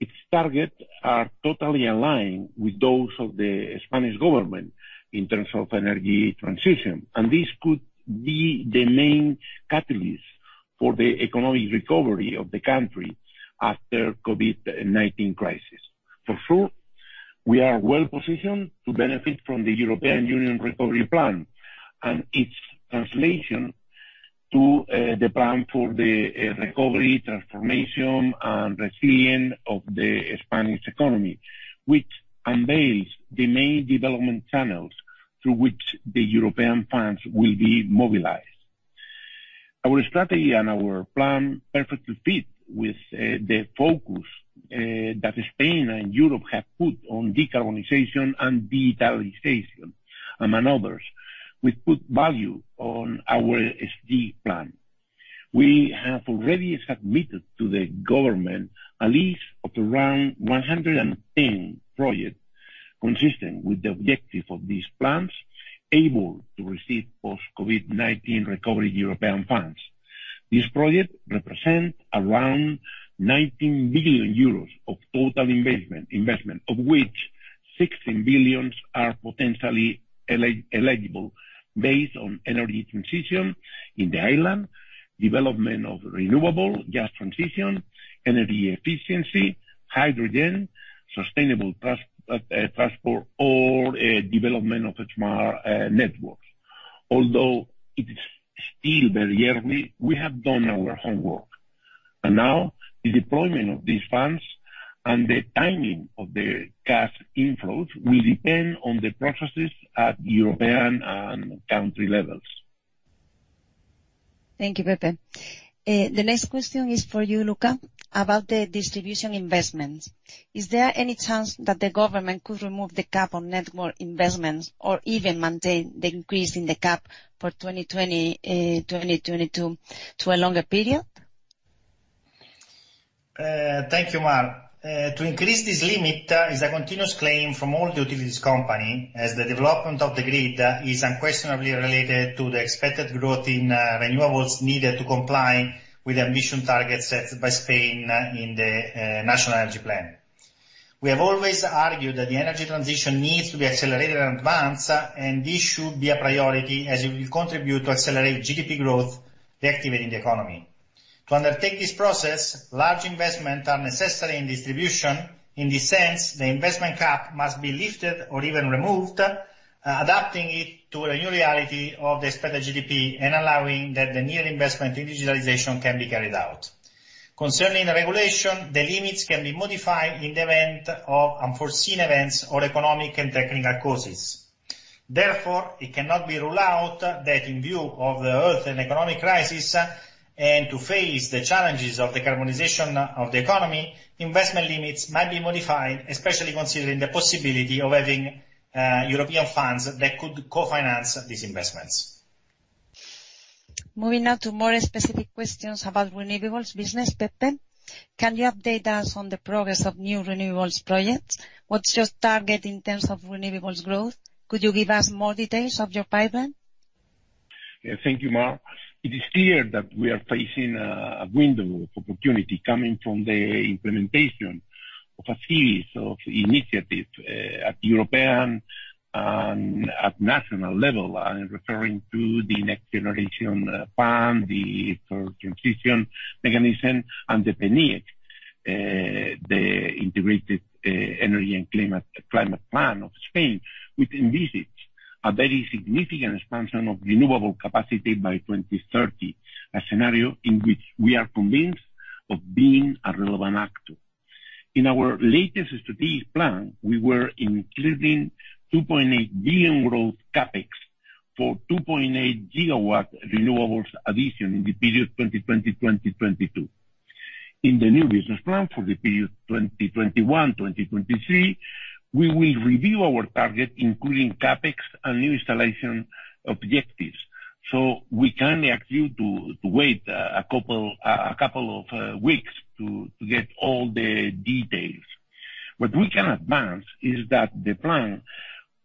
Its targets are totally aligned with those of the Spanish government in terms of energy transition, and this could be the main catalyst for the economic recovery of the country after the COVID-19 crisis. For sure, we are well positioned to benefit from the European Union Recovery Plan and its translation to the plan for the recovery, transformation, and resilience of the Spanish economy, which unveils the main development channels through which the European funds will be mobilized. Our strategy and our plan perfectly fit with the focus that Spain and Europe have put on decarbonization and digitalization, among others, which put value on our SD plan. We have already submitted to the government a list of around 110 projects consistent with the objective of these plans, able to receive post-COVID-19 recovery European funds. These projects represent around € 19 billion of total investment, of which € 16 billion are potentially eligible based on energy transition in the island, development of renewable gas transition, energy efficiency, hydrogen, sustainable transport, or development of smart networks. Although it is still very early, we have done our homework. Now, the deployment of these funds and the timing of the gas inflows will depend on the processes at European and country levels. Thank you, Pepe. The next question is for you, Luca, about the distribution investments. Is there any chance that the government could remove the cap on network investments or even maintain the increase in the cap for 2020-2022 to a longer period? Thank you, Mar. To increase this limit is a continuous claim from all the utilities companies, as the development of the grid is unquestionably related to the expected growth in renewables needed to comply with the ambitious targets set by Spain in the National Energy Plan. We have always argued that the energy transition needs to be accelerated in advance, and this should be a priority as it will contribute to accelerate GDP growth by activating the economy. To undertake this process, large investments are necessary in distribution. In this sense, the investment cap must be lifted or even removed, adapting it to the new reality of the expected GDP and allowing that the necessary investment in digitalization can be carried out. Concerning the regulation, the limits can be modified in the event of unforeseen events or economic and technical causes. Therefore, it cannot be ruled out that in view of the energy and economic crisis and to face the challenges of decarbonization of the economy, investment limits might be modified, especially considering the possibility of having European funds that could co-finance these investments. Moving now to more specific questions about renewables business, Pepe. Can you update us on the progress of new renewables projects? What's your target in terms of renewables growth? Could you give us more details of your pipeline? Thank you, Mar. It is clear that we are facing a window of opportunity coming from the implementation of a series of initiatives at the European and at national level, referring to the Next Generation Fund, the Transition Mechanism, and the PNIEC, the Integrated Energy and Climate Plan of Spain, which envisages a very significant expansion of renewable capacity by 2030, a scenario in which we are convinced of being a relevant actor. In our latest strategic plan, we were including 2.8 billion growth CapEx for 2.8 gigawatt renewables addition in the period 2020-2022. In the new business plan for the period 2021-2023, we will review our target, including CapEx and new installation objectives, so we can ask you to wait a couple of weeks to get all the details. What we can advance is that the plan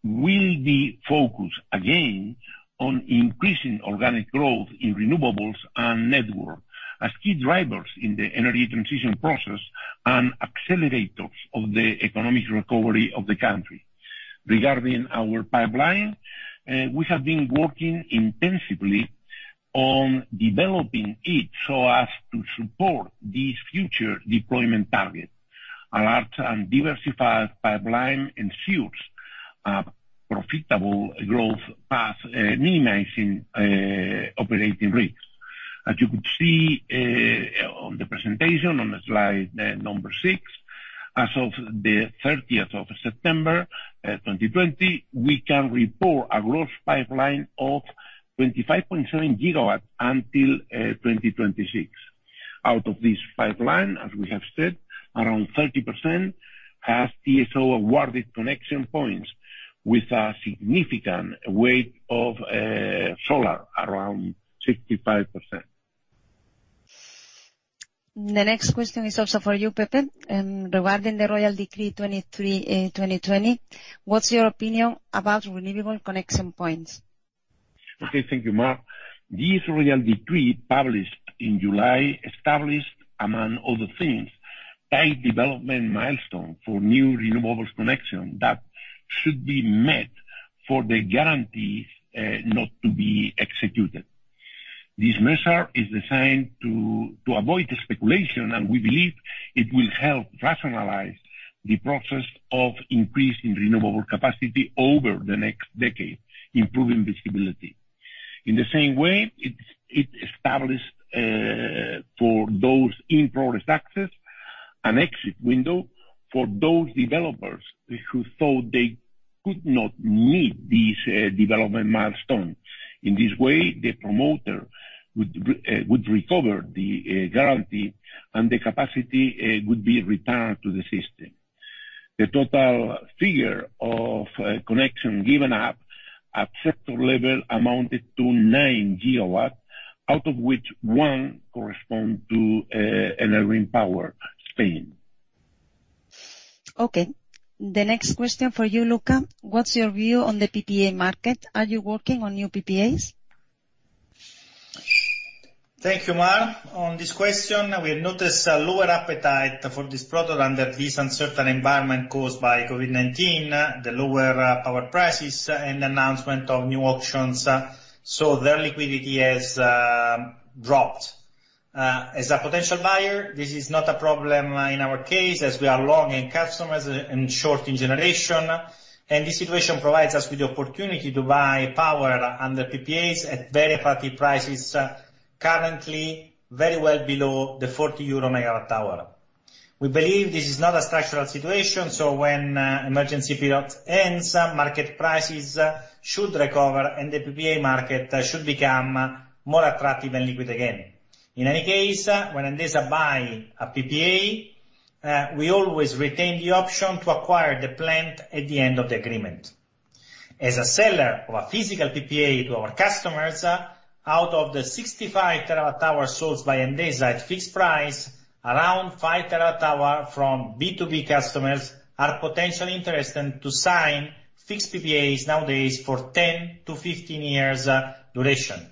will be focused again on increasing organic growth in renewables and network as key drivers in the energy transition process and accelerators of the economic recovery of the country. Regarding our pipeline, we have been working intensively on developing it so as to support these future deployment targets, a large and diversified pipeline ensures a profitable growth path, minimizing operating risks. As you could see on the presentation on slide number 6, as of the 30th of September 2020, we can report a growth pipeline of 25.7 gigawatts until 2026. Out of this pipeline, as we have said, around 30% has TSO awarded connection points with a significant weight of solar, around 65%. The next question is also for you, Pepe, regarding the Royal Decree 2020. What's your opinion about renewable connection points? Okay, thank you, Mar. This Royal Decree published in July established, among other things, a development milestone for new renewables connection that should be met for the guarantees not to be executed. This measure is designed to avoid speculation, and we believe it will help rationalize the process of increasing renewable capacity over the next decade, improving visibility. In the same way, it established for those in progress, access an exit window for those developers who thought they could not meet these development milestones. In this way, the promoter would recover the guarantee, and the capacity would be returned to the system. The total figure of connection given up at sector level amounted to nine gigawatts, out of which one corresponds to Enel Green Power España. Okay. The next question for you, Luca. What's your view on the PPA market? Are you working on new PPAs? Thank you, Mar. On this question, we noticed a lower appetite for this product under this uncertain environment caused by COVID-19, the lower power prices, and the announcement of new auctions, so their liquidity has dropped. As a potential buyer, this is not a problem in our case as we are long-haul customers and short-haul generation, and this situation provides us with the opportunity to buy power under PPAs at very attractive prices, currently very well below the €40 megawatt hour. We believe this is not a structural situation, so when emergency period ends, market prices should recover and the PPA market should become more attractive and liquid again. In any case, when Endesa buys a PPA, we always retain the option to acquire the plant at the end of the agreement. As a seller of a physical PPA to our customers, out of the 65 terawatt hours sold by Endesa at fixed price, around 5 terawatt hours from B2B customers are potentially interested to sign fixed PPAs nowadays for 10-15 years duration.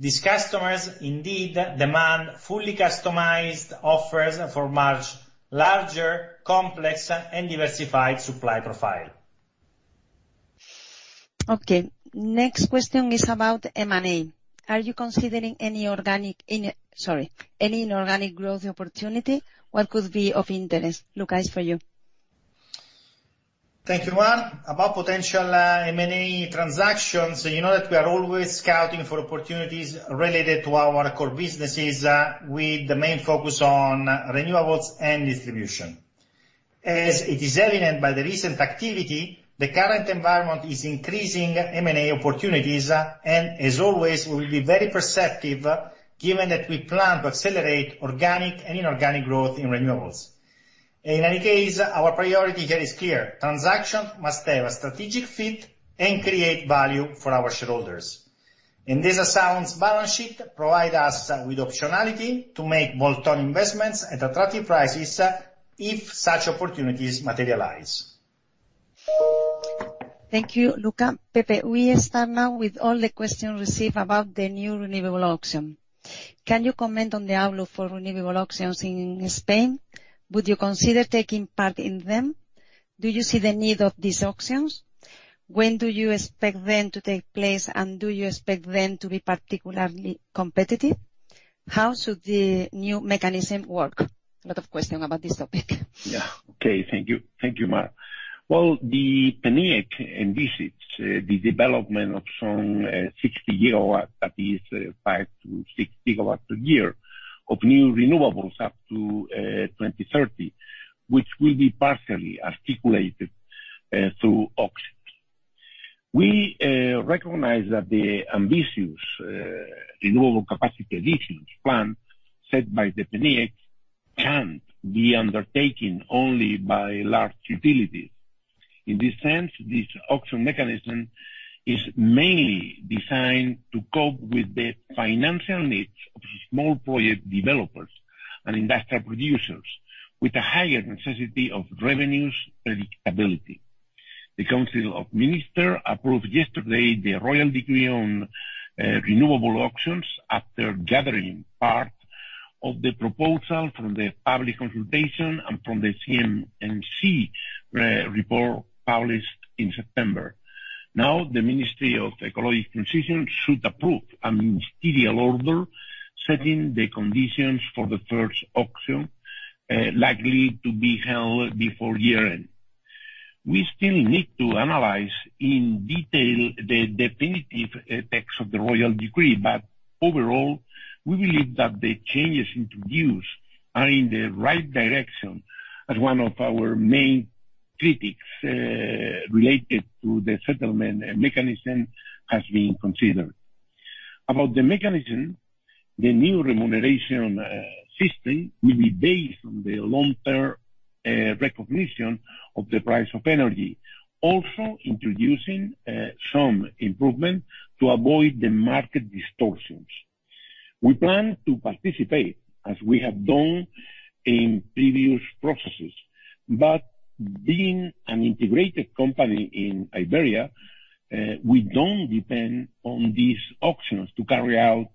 These customers indeed demand fully customized offers for much larger, complex, and diversified supply profile. Okay. Next question is about M&A. Are you considering any organic growth opportunity? What could be of interest, Luca, for you? Thank you, Mar. About potential M&A transactions, you know that we are always scouting for opportunities related to our core businesses with the main focus on renewables and distribution. As it is evident by the recent activity, the current environment is increasing M&A opportunities, and as always, we will be very perceptive given that we plan to accelerate organic and inorganic growth in renewables. In any case, our priority here is clear: transactions must have a strategic fit and create value for our shareholders. Endesa's sound balance sheet provides us with optionality to make bolt-on investments at attractive prices if such opportunities materialize. Thank you, Luca. Pepe, we start now with all the questions received about the new renewable auction. Can you comment on the outlook for renewable auctions in Spain? Would you consider taking part in them? Do you see the need of these auctions? When do you expect them to take place, and do you expect them to be particularly competitive? How should the new mechanism work? A lot of questions about this topic. Yeah. Okay, thank you. Thank you, Mar. Well, the PNIEC envisages the development of some 60 gigawatts, that is 5 to 6 gigawatts a year, of new renewables up to 2030, which will be partially articulated through auctions. We recognize that the ambitious renewable capacity additions plan set by the PNIEC can't be undertaken only by large utilities. In this sense, this auction mechanism is mainly designed to cope with the financial needs of small project developers and industrial producers with a higher necessity of revenues predictability. The Council of Ministers approved yesterday the Royal Decree on Renewable Auctions after gathering part of the proposal from the public consultation and from the CNMC report published in September. Now, the Ministry of Ecological Transition should approve a ministerial order setting the conditions for the first auction, likely to be held before year-end. We still need to analyze in detail the definitive text of the Royal Decree, but overall, we believe that the changes introduced are in the right direction, as one of our main critics related to the settlement mechanism has been considered. About the mechanism, the new remuneration system will be based on the long-term recognition of the price of energy, also introducing some improvement to avoid the market distortions. We plan to participate, as we have done in previous processes, but being an integrated company in Iberia, we don't depend on these auctions to carry out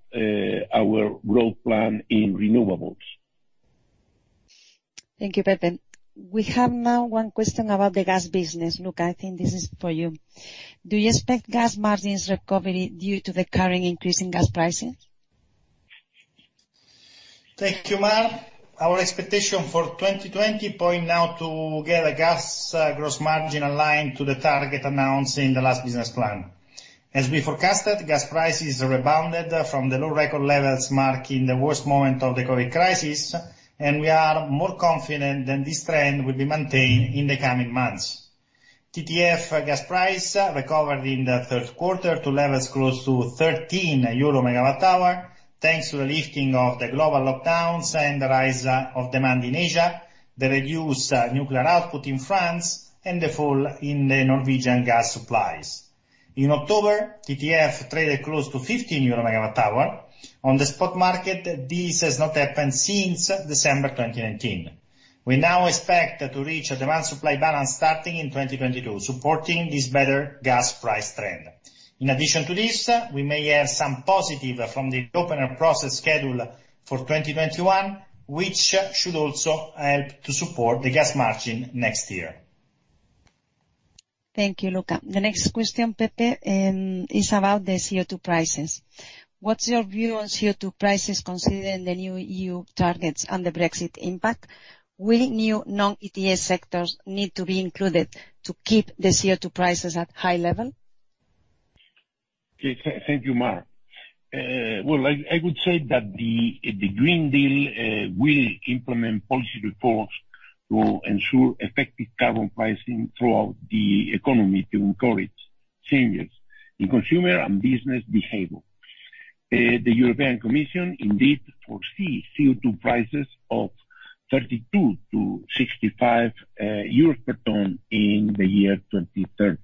our growth plan in renewables. Thank you, Pepe. We have now one question about the gas business. Luca, I think this is for you. Do you expect gas margins recovery due to the current increase in gas prices? Thank you, Mar. Our expectation for 2020 points now to get a gas gross margin aligned to the target announced in the last business plan. As we forecasted, gas prices rebounded from the low record levels marking the worst moment of the COVID crisis, and we are more confident that this trend will be maintained in the coming months. TTF gas price recovered in the third quarter to levels close to 13 euro megawatt hour, thanks to the lifting of the global lockdowns and the rise of demand in Asia, the reduced nuclear output in France, and the fall in the Norwegian gas supplies. In October, TTF traded close to 15 euro megawatt hour. On the spot market, this has not happened since December 2019. We now expect to reach a demand-supply balance starting in 2022, supporting this better gas price trend. In addition to this, we may have some positive from the opener process schedule for 2021, which should also help to support the gas margin next year. Thank you, Luca. The next question, Pepe, is about the CO2 prices. What's your view on CO2 prices considering the new EU targets and the Brexit impact? Will new non-ETS sectors need to be included to keep the CO2 prices at high level? Thank you, Mar. I would say that the Green Deal will implement policy reforms to ensure effective carbon pricing throughout the economy to encourage changes in consumer and business behavior. The European Commission indeed foresees CO2 prices of €32-€65 per ton in the year 2030.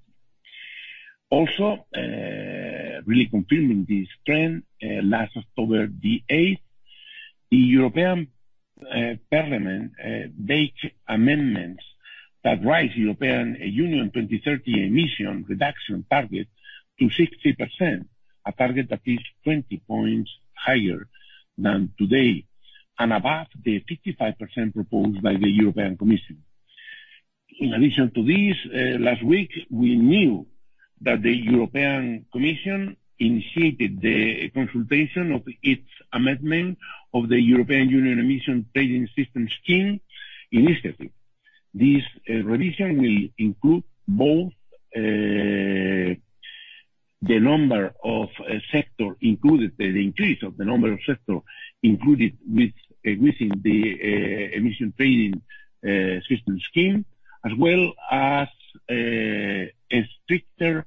Also, really confirming this trend, last October the 8th, the European Parliament backed amendments that raised the European Union 2030 emission reduction target to 60%, a target that is 20 points higher than today and above the 55% proposed by the European Commission. In addition to this, last week, we knew that the European Commission initiated the consultation of its amendment of the European Union Emissions Trading System Scheme initiative. This revision will include both the number of sectors included, the increase of the number of sectors included within the emissions trading system scheme, as well as a stricter,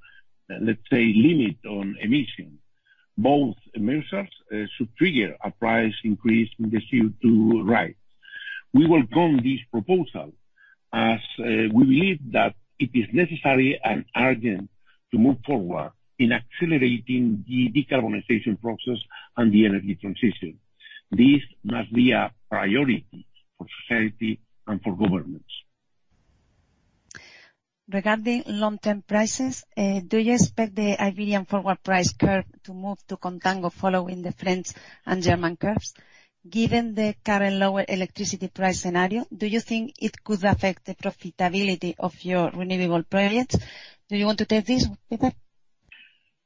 let's say, limit on emissions. Both measures should trigger a price increase in the CO2 rate. We welcome this proposal as we believe that it is necessary and urgent to move forward in accelerating the decarbonization process and the energy transition. This must be a priority for society and for governments. Regarding long-term prices, do you expect the Iberian forward price curve to move to contango following the French and German curves? Given the current lower electricity price scenario, do you think it could affect the profitability of your renewable projects? Do you want to take this, Pepe?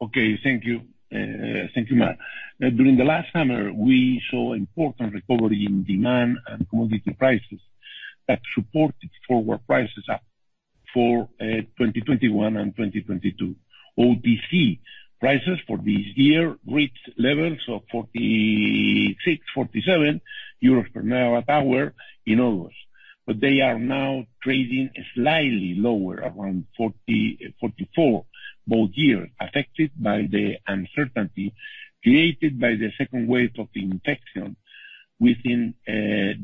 Okay, thank you. Thank you, Mar. During the last summer, we saw important recovery in demand and commodity prices that supported forward prices up for 2021 and 2022. OTC prices for this year reached levels of €46-€47 per megawatt hour in August, but they are now trading slightly lower, around €44 both years, affected by the uncertainty created by the second wave of the infection within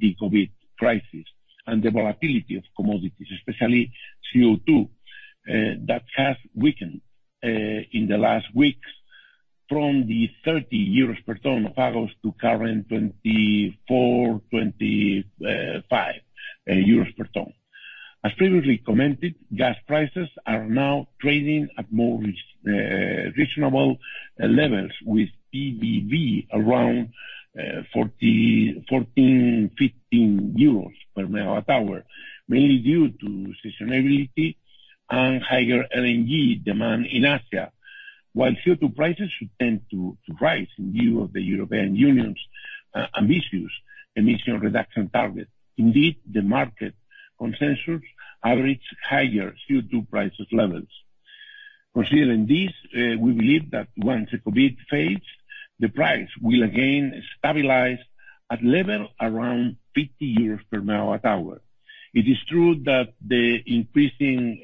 the COVID crisis and the volatility of commodities, especially CO2, that has weakened in the last weeks from the €30 per ton of August to current €24-€25 per ton. As previously commented, gas prices are now trading at more reasonable levels with PVB around €14-€15 per megawatt hour, mainly due to sustainability and higher LNG demand in Asia. While CO2 prices should tend to rise in view of the European Union's ambitious emission reduction target, indeed, the market consensus averaged higher CO2 price levels. Considering this, we believe that once the COVID fades, the price will again stabilize at levels around 50 euros per megawatt hour. It is true that the increasing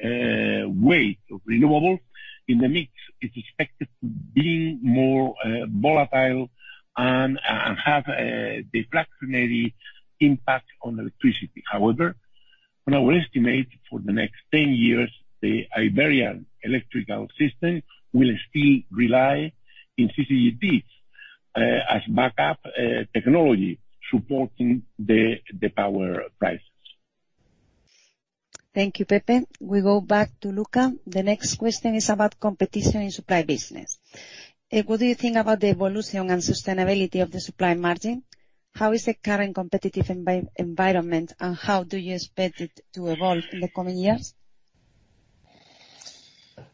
weight of renewables in the mix is expected to be more volatile and have a deflationary impact on electricity. However, on our estimate, for the next 10 years, the Iberian electrical system will still rely on CCGTs as backup technology supporting the power prices. Thank you, Pepe. We go back to Luca. The next question is about competition in supply business. What do you think about the evolution and sustainability of the supply margin? How is the current competitive environment, and how do you expect it to evolve in the coming years?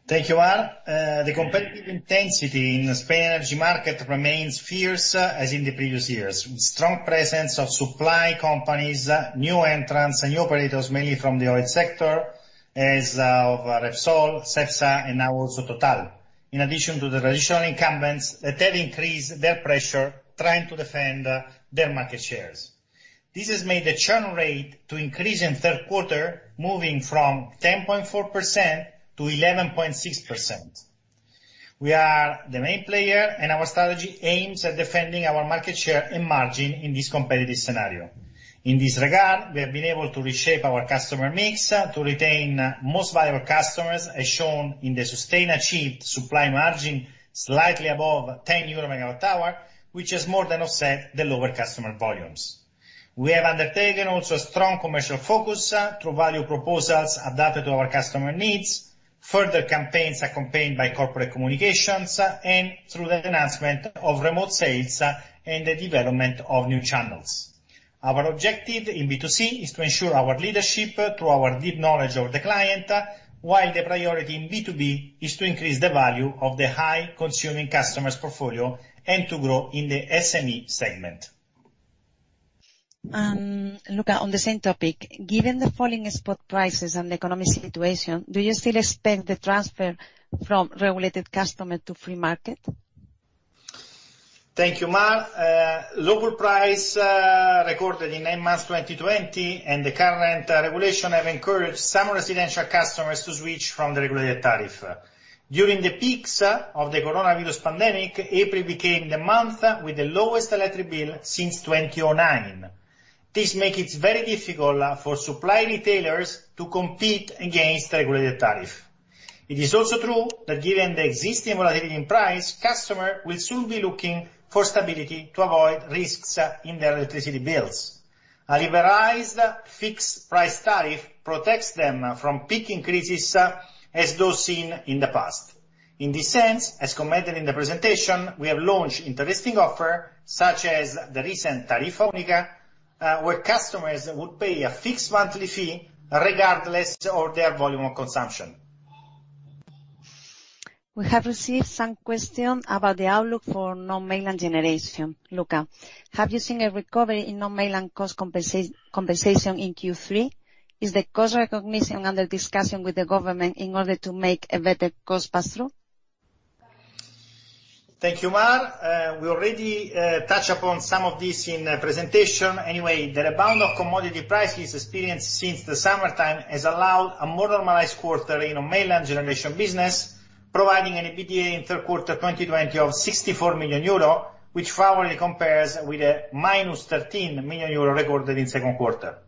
Thank you, Mar. The competitive intensity in the Spanish energy market remains fierce as in the previous years, with strong presence of supply companies, new entrants, and new operators, mainly from the oil sector, such as Repsol, Cepsa, and now also Total. In addition to the traditional incumbents, they've increased their pressure trying to defend their market shares. This has made the churn rate increase in third quarter, moving from 10.4% to 11.6%. We are the main player, and our strategy aims at defending our market share and margin in this competitive scenario. In this regard, we have been able to reshape our customer mix to retain most viable customers, as shown in the sustained achieved supply margin slightly above €10 per megawatt hour, which has more than offset the lower customer volumes. We have undertaken also a strong commercial focus through value proposals adapted to our customer needs, further campaigns accompanied by corporate communications, and through the announcement of remote sales and the development of new channels. Our objective in B2C is to ensure our leadership through our deep knowledge of the client, while the priority in B2B is to increase the value of the high-consuming customers' portfolio and to grow in the SME segment. Luca, on the same topic, given the falling spot prices and the economic situation, do you still expect the transfer from regulated customers to free market? Thank you, Mar. The local price recorded in nine months 2020, and the current regulation has encouraged some residential customers to switch from the regulated tariff. During the peak of the coronavirus pandemic, April became the month with the lowest electric bill since 2009. This makes it very difficult for supply retailers to compete against the regulated tariff. It is also true that given the existing volatility in price, customers will soon be looking for stability to avoid risks in their electricity bills. A liberalized fixed price tariff protects them from peak increases as those seen in the past. In this sense, as commented in the presentation, we have launched interesting offers such as the recent Tarifa Única, where customers will pay a fixed monthly fee regardless of their volume of consumption. We have received some questions about the outlook for non-Mainland generation. Luca, have you seen a recovery in non-Mainland cost compensation in Q3? Is the cost recognition under discussion with the government in order to make a better cost pass-through? Thank you, Mar. We already touched upon some of this in the presentation. Anyway, the rebound of commodity prices experienced since the summertime has allowed a more normalized quarter in non-mainland generation business, providing an EBITDA in third quarter 2020 of € 64 million, which probably compares with a minus € 13 million recorded in second quarter.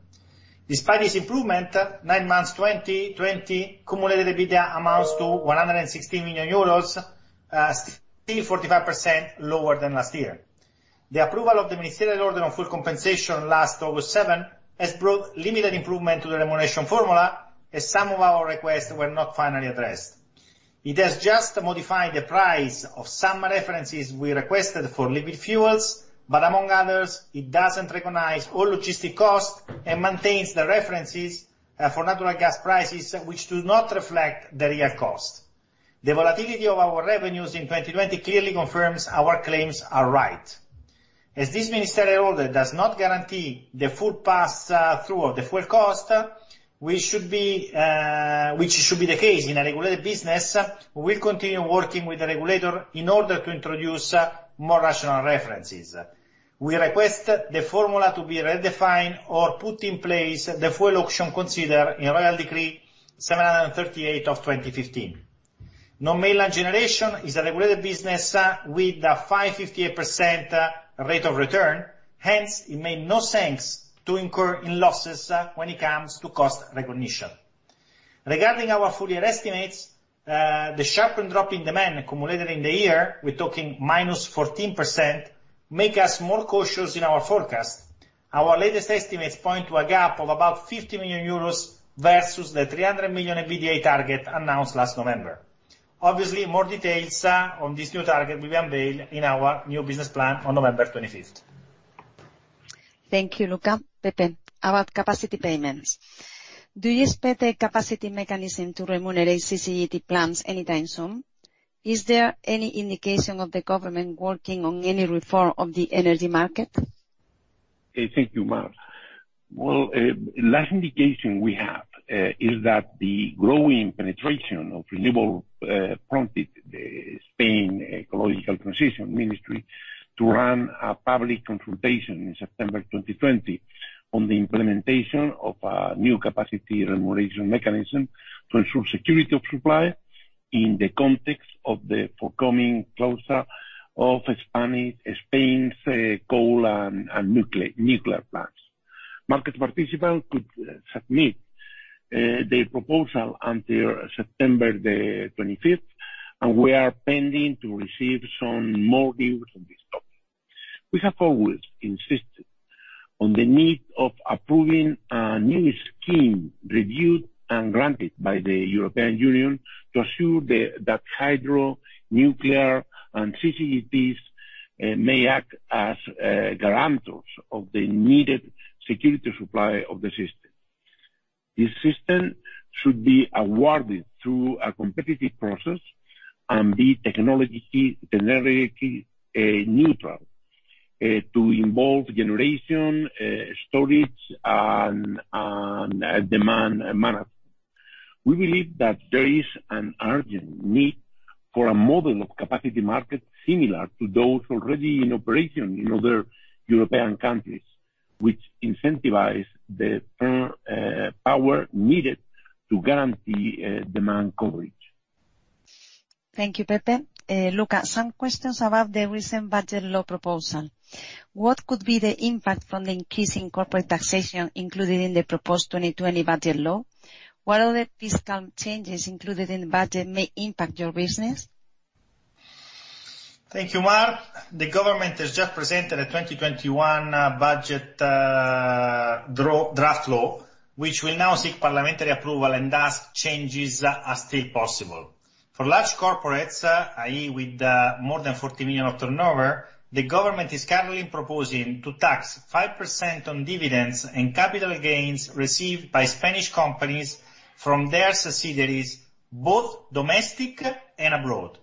Despite this improvement, nine-month 2020 cumulated EBITDA amounts to € 116 million, still 45% lower than last year. The approval of the Ministerial Order on Full Compensation last August 7 has brought limited improvement to the remuneration formula as some of our requests were not finally addressed. It has just modified the price of some references we requested for liquid fuels, but among others, it doesn't recognize all logistic costs and maintains the references for natural gas prices, which do not reflect the real cost. The volatility of our revenues in 2020 clearly confirms our claims are right. As this Ministerial Order does not guarantee the full pass-through of the full cost, which should be the case in a regulated business, we will continue working with the regulator in order to introduce more rational references. We request the formula to be redefined or put in place the full auction considered in Royal Decree 738 of 2015. Non-Mainland generation is a regulated business with a 5.58% rate of return; hence, it made no sense to incur losses when it comes to cost recognition. Regarding our full-year estimates, the sharp drop in demand accumulated in the year, we're talking minus 14%, makes us more cautious in our forecast. Our latest estimates point to a gap of about 50 million euros versus the 300 million EBITDA target announced last November. Obviously, more details on this new target will be unveiled in our new business plan on November 25th. Thank you, Luca. Pepe, about capacity payments. Do you expect a capacity mechanism to remunerate CCGT plants anytime soon? Is there any indication of the government working on any reform of the energy market? Thank you, Mar. Well, the last indication we have is that the growing penetration of renewables prompted the Spanish Ecological Transition Ministry to run a public consultation in September 2020 on the implementation of a new capacity remuneration mechanism to ensure security of supply in the context of the forthcoming closure of Spain's coal and nuclear plants. Market participants could submit their proposal until September the 25th, and we are pending to receive some more news on this topic. We have always insisted on the need of approving a new scheme reviewed and granted by the European Union to assure that hydro, nuclear, and CCGTs may act as guarantors of the needed security of supply of the system. This system should be awarded through a competitive process and be technology generically neutral to involve generation, storage, and demand management. We believe that there is an urgent need for a model of capacity market similar to those already in operation in other European countries, which incentivize the power needed to guarantee demand coverage. Thank you, Pepe. Luca, some questions about the recent budget law proposal. What could be the impact from the increasing corporate taxation included in the proposed 2020 budget law? What other fiscal changes included in the budget may impact your business? Thank you, Mar. The government has just presented a 2021 budget draft law, which will now seek parliamentary approval and ask changes as still possible. For large corporates, i.e., with more than 40 million of turnover, the government is currently proposing to tax 5% on dividends and capital gains received by Spanish companies from their subsidiaries, both domestic and abroad.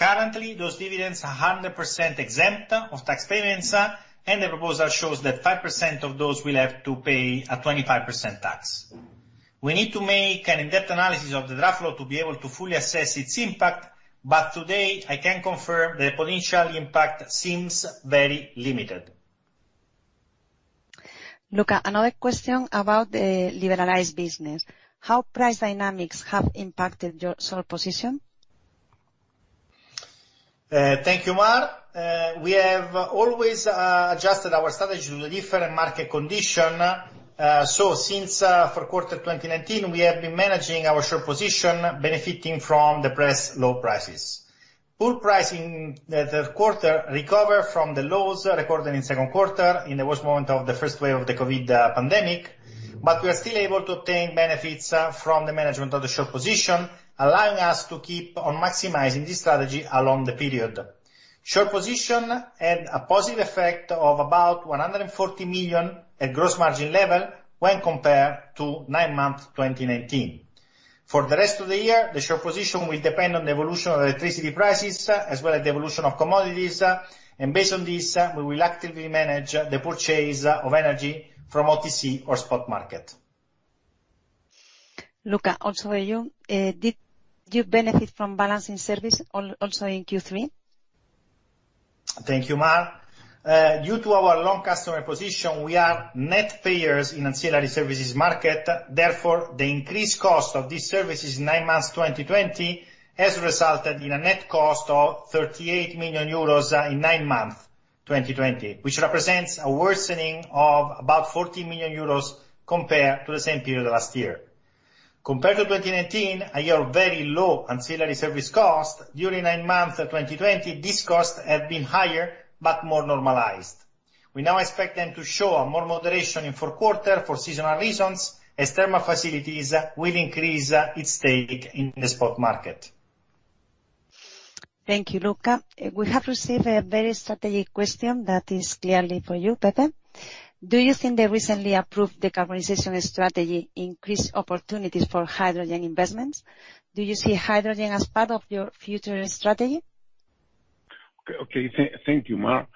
Currently, those dividends are 100% exempt of tax payments, and the proposal shows that 5% of those will have to pay a 25% tax. We need to make an in-depth analysis of the draft law to be able to fully assess its impact, but today, I can confirm the potential impact seems very limited. Luca, another question about the liberalized business. How have price dynamics impacted your short position? Thank you, Mar. We have always adjusted our strategy to the different market conditions. Since fourth quarter 2019, we have been managing our short position, benefiting from the depressed low prices. Fuel price in the third quarter recovered from the lows recorded in second quarter in the worst moment of the first wave of the COVID pandemic, but we are still able to obtain benefits from the management of the short position, allowing us to keep on maximizing this strategy along the period. Short position had a positive effect of about € 140 million at gross margin level when compared to end-2019. For the rest of the year, the short position will depend on the evolution of electricity prices as well as the evolution of commodities, and based on this, we will actively manage the purchase of energy from OTC or spot market. Luca, also did you benefit from balancing service also in Q3? Thank you, Mar. Due to our long customer position, we are net payers in ancillary services market. Therefore, the increased cost of these services in end month 2020 has resulted in a net cost of €38 million in end month 2020, which represents a worsening of about €40 million compared to the same period last year. Compared to 2019, a year of very low ancillary service cost, during end month 2020, this cost had been higher but more normalized. We now expect them to show a more moderation in fourth quarter for seasonal reasons as thermal facilities will increase its stake in the spot market. Thank you, Luca. We have received a very strategic question that is clearly for you, Pepe. Do you think the recently approved decarbonization strategy increased opportunities for hydrogen investments? Do you see hydrogen as part of your future strategy? Okay, thank you, Mar.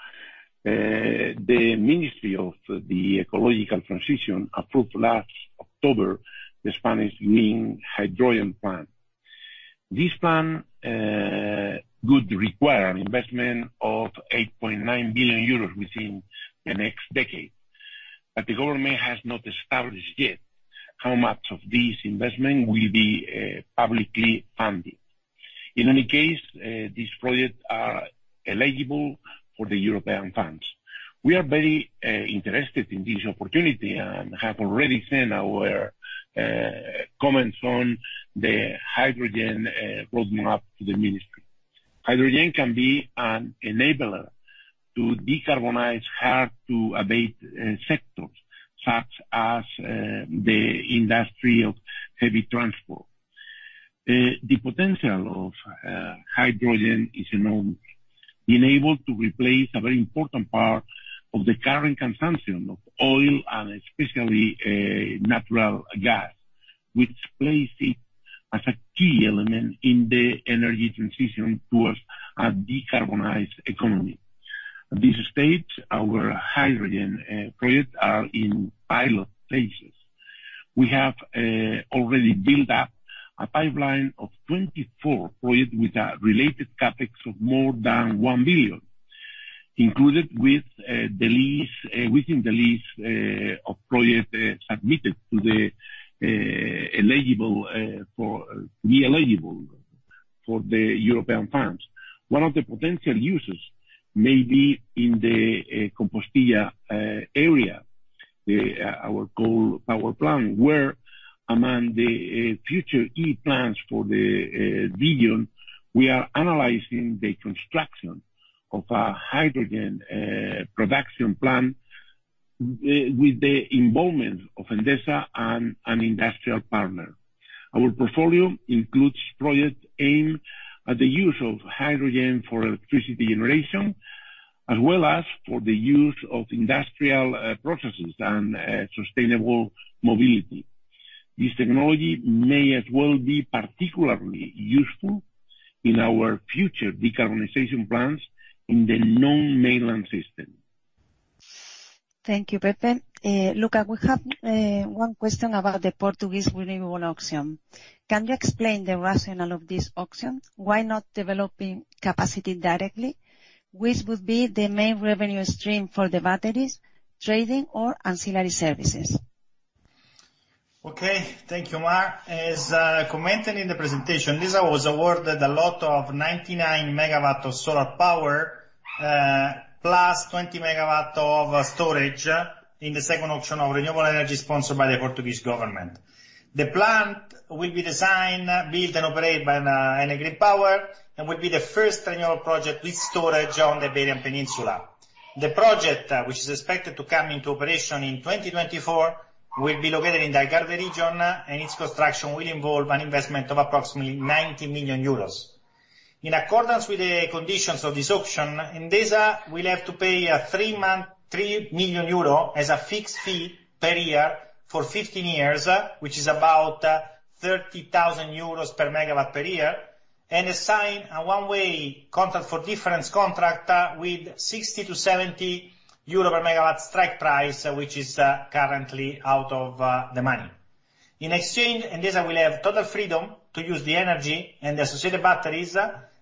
The Ministry of the Ecological Transition approved last October the Spanish green hydrogen plan. This plan could require an investment of 8.9 billion euros within the next decade, but the government has not established yet how much of this investment will be publicly funded. In any case, these projects are eligible for the European funds. We are very interested in this opportunity and have already sent our comments on the hydrogen roadmap to the Ministry. Hydrogen can be an enabler to decarbonize hard-to-abate sectors such as the industry of heavy transport. The potential of hydrogen is enormous. It enables to replace a very important part of the current consumption of oil and especially natural gas, which places it as a key element in the energy transition towards a decarbonized economy. At this stage, our hydrogen projects are in pilot phases. We have already built up a pipeline of 24 projects with a related Capex of more than 1 billion, included within the list of projects submitted to be eligible for the European funds. One of the potential uses may be in the Compostilla area, our coal power plant, where, among the future EU plans for the region, we are analyzing the construction of a hydrogen production plant with the involvement of Endesa and an industrial partner. Our portfolio includes projects aimed at the use of hydrogen for electricity generation, as well as for the use of industrial processes and sustainable mobility. This technology may as well be particularly useful in our future decarbonization plans in the non-Mainland system. Thank you, Pepe. Luca, we have one question about the Portuguese renewable auction. Can you explain the rationale of this auction? Why not developing capacity directly, which would be the main revenue stream for the batteries, trading, or ancillary services? Okay, thank you, Mar. As commented in the presentation, Endesa was awarded a lot of 99 megawatts of solar power plus 20 megawatts of storage in the second auction of renewable energy sponsored by the Portuguese government. The plant will be designed, built, and operated by Enel Green Power, and will be the first renewable project with storage on the Iberian Peninsula. The project, which is expected to come into operation in 2024, will be located in the Algarve region, and its construction will involve an investment of approximately 90 million euros. In accordance with the conditions of this auction, Endesa will have to pay 3 million euro as a fixed fee per year for 15 years, which is about 30,000 euros per megawatt per year, and assign a one-way contract for difference contract with 60-70 euro per megawatt strike price, which is currently out of the money. In exchange, Endesa will have total freedom to use the energy and the associated batteries,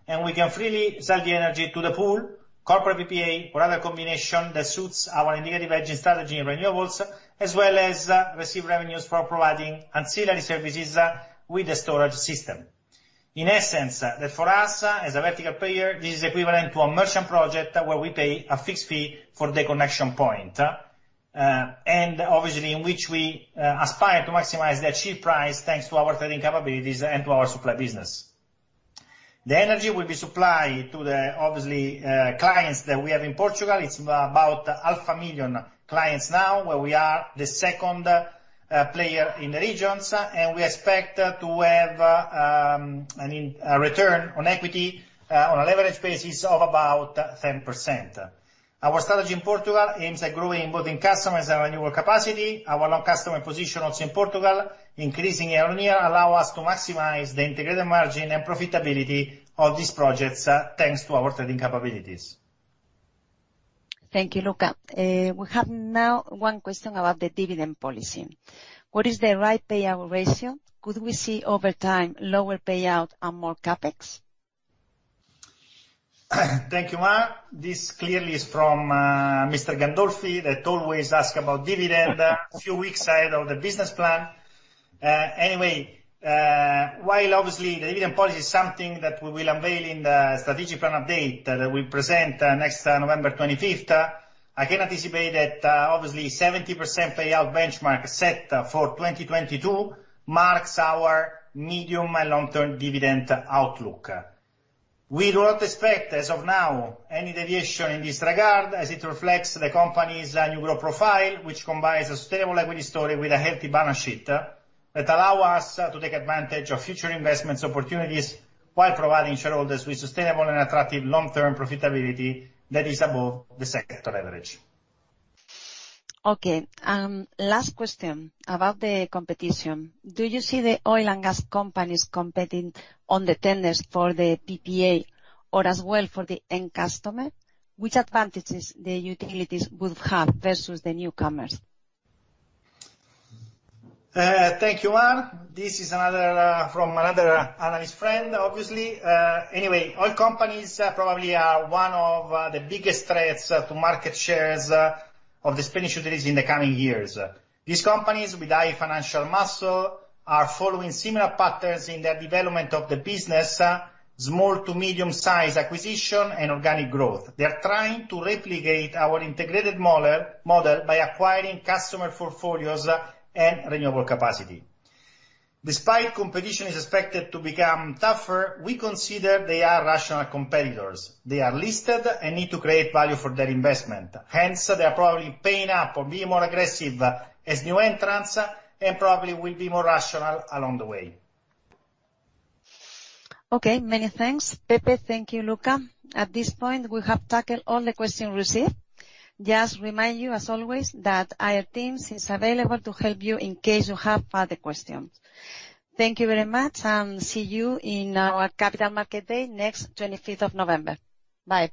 and we can freely sell the energy to the pool, corporate PPA, or other combination that suits our integrated energy strategy in renewables, as well as receive revenues for providing ancillary services with the storage system. In essence, for us as a vertical player, this is equivalent to a merchant project where we pay a fixed fee for the connection point, and obviously, in which we aspire to maximize the achieved price thanks to our trading capabilities and to our supply business. The energy will be supplied to the, obviously, clients that we have in Portugal. It's about 1 million clients now, where we are the second player in the regions, and we expect to have a return on equity on a leverage basis of about 10%. Our strategy in Portugal aims at growing both in customers and renewable capacity. Our long customer positions in Portugal, increasing year on year, allow us to maximize the integrated margin and profitability of these projects thanks to our trading capabilities. Thank you, Luca. We have now one question about the dividend policy. What is the right payout ratio? Could we see over time lower payout and more Capex? Thank you, Mar. This clearly is from Mr. Gandolfi that always asks about dividend a few weeks ahead of the business plan. Anyway, while obviously the dividend policy is something that we will unveil in the strategic plan update that we present next November 25th, I can anticipate that, obviously, a 70% payout benchmark set for 2022 marks our medium and long-term dividend outlook. We do not expect, as of now, any deviation in this regard as it reflects the company's new growth profile, which combines a sustainable equity story with a healthy balance sheet that allows us to take advantage of future investment opportunities while providing shareholders with sustainable and attractive long-term profitability that is above the sector average. Okay, last question about the competition. Do you see the oil and gas companies competing on the tenders for the PPA or as well for the end customer? Which advantages do the utilities have versus the newcomers? Thank you, Mar. This is from another analyst friend, obviously. Anyway, oil companies probably are one of the biggest threats to market shares of the Spanish utilities in the coming years. These companies, with high financial muscle, are following similar patterns in their development of the business, small to medium-sized acquisition, and organic growth. They are trying to replicate our integrated model by acquiring customer portfolios and renewable capacity. Despite competition is expected to become tougher, we consider they are rational competitors. They are listed and need to create value for their investment. Hence, they are probably paying up or being more aggressive as new entrants and probably will be more rational along the way. Okay, many thanks. Pepe, thank you, Luca. At this point, we have tackled all the questions received. Just remind you, as always, that our team is available to help you in case you have further questions. Thank you very much, and see you in our Capital Markets Day next 25th of November. Bye.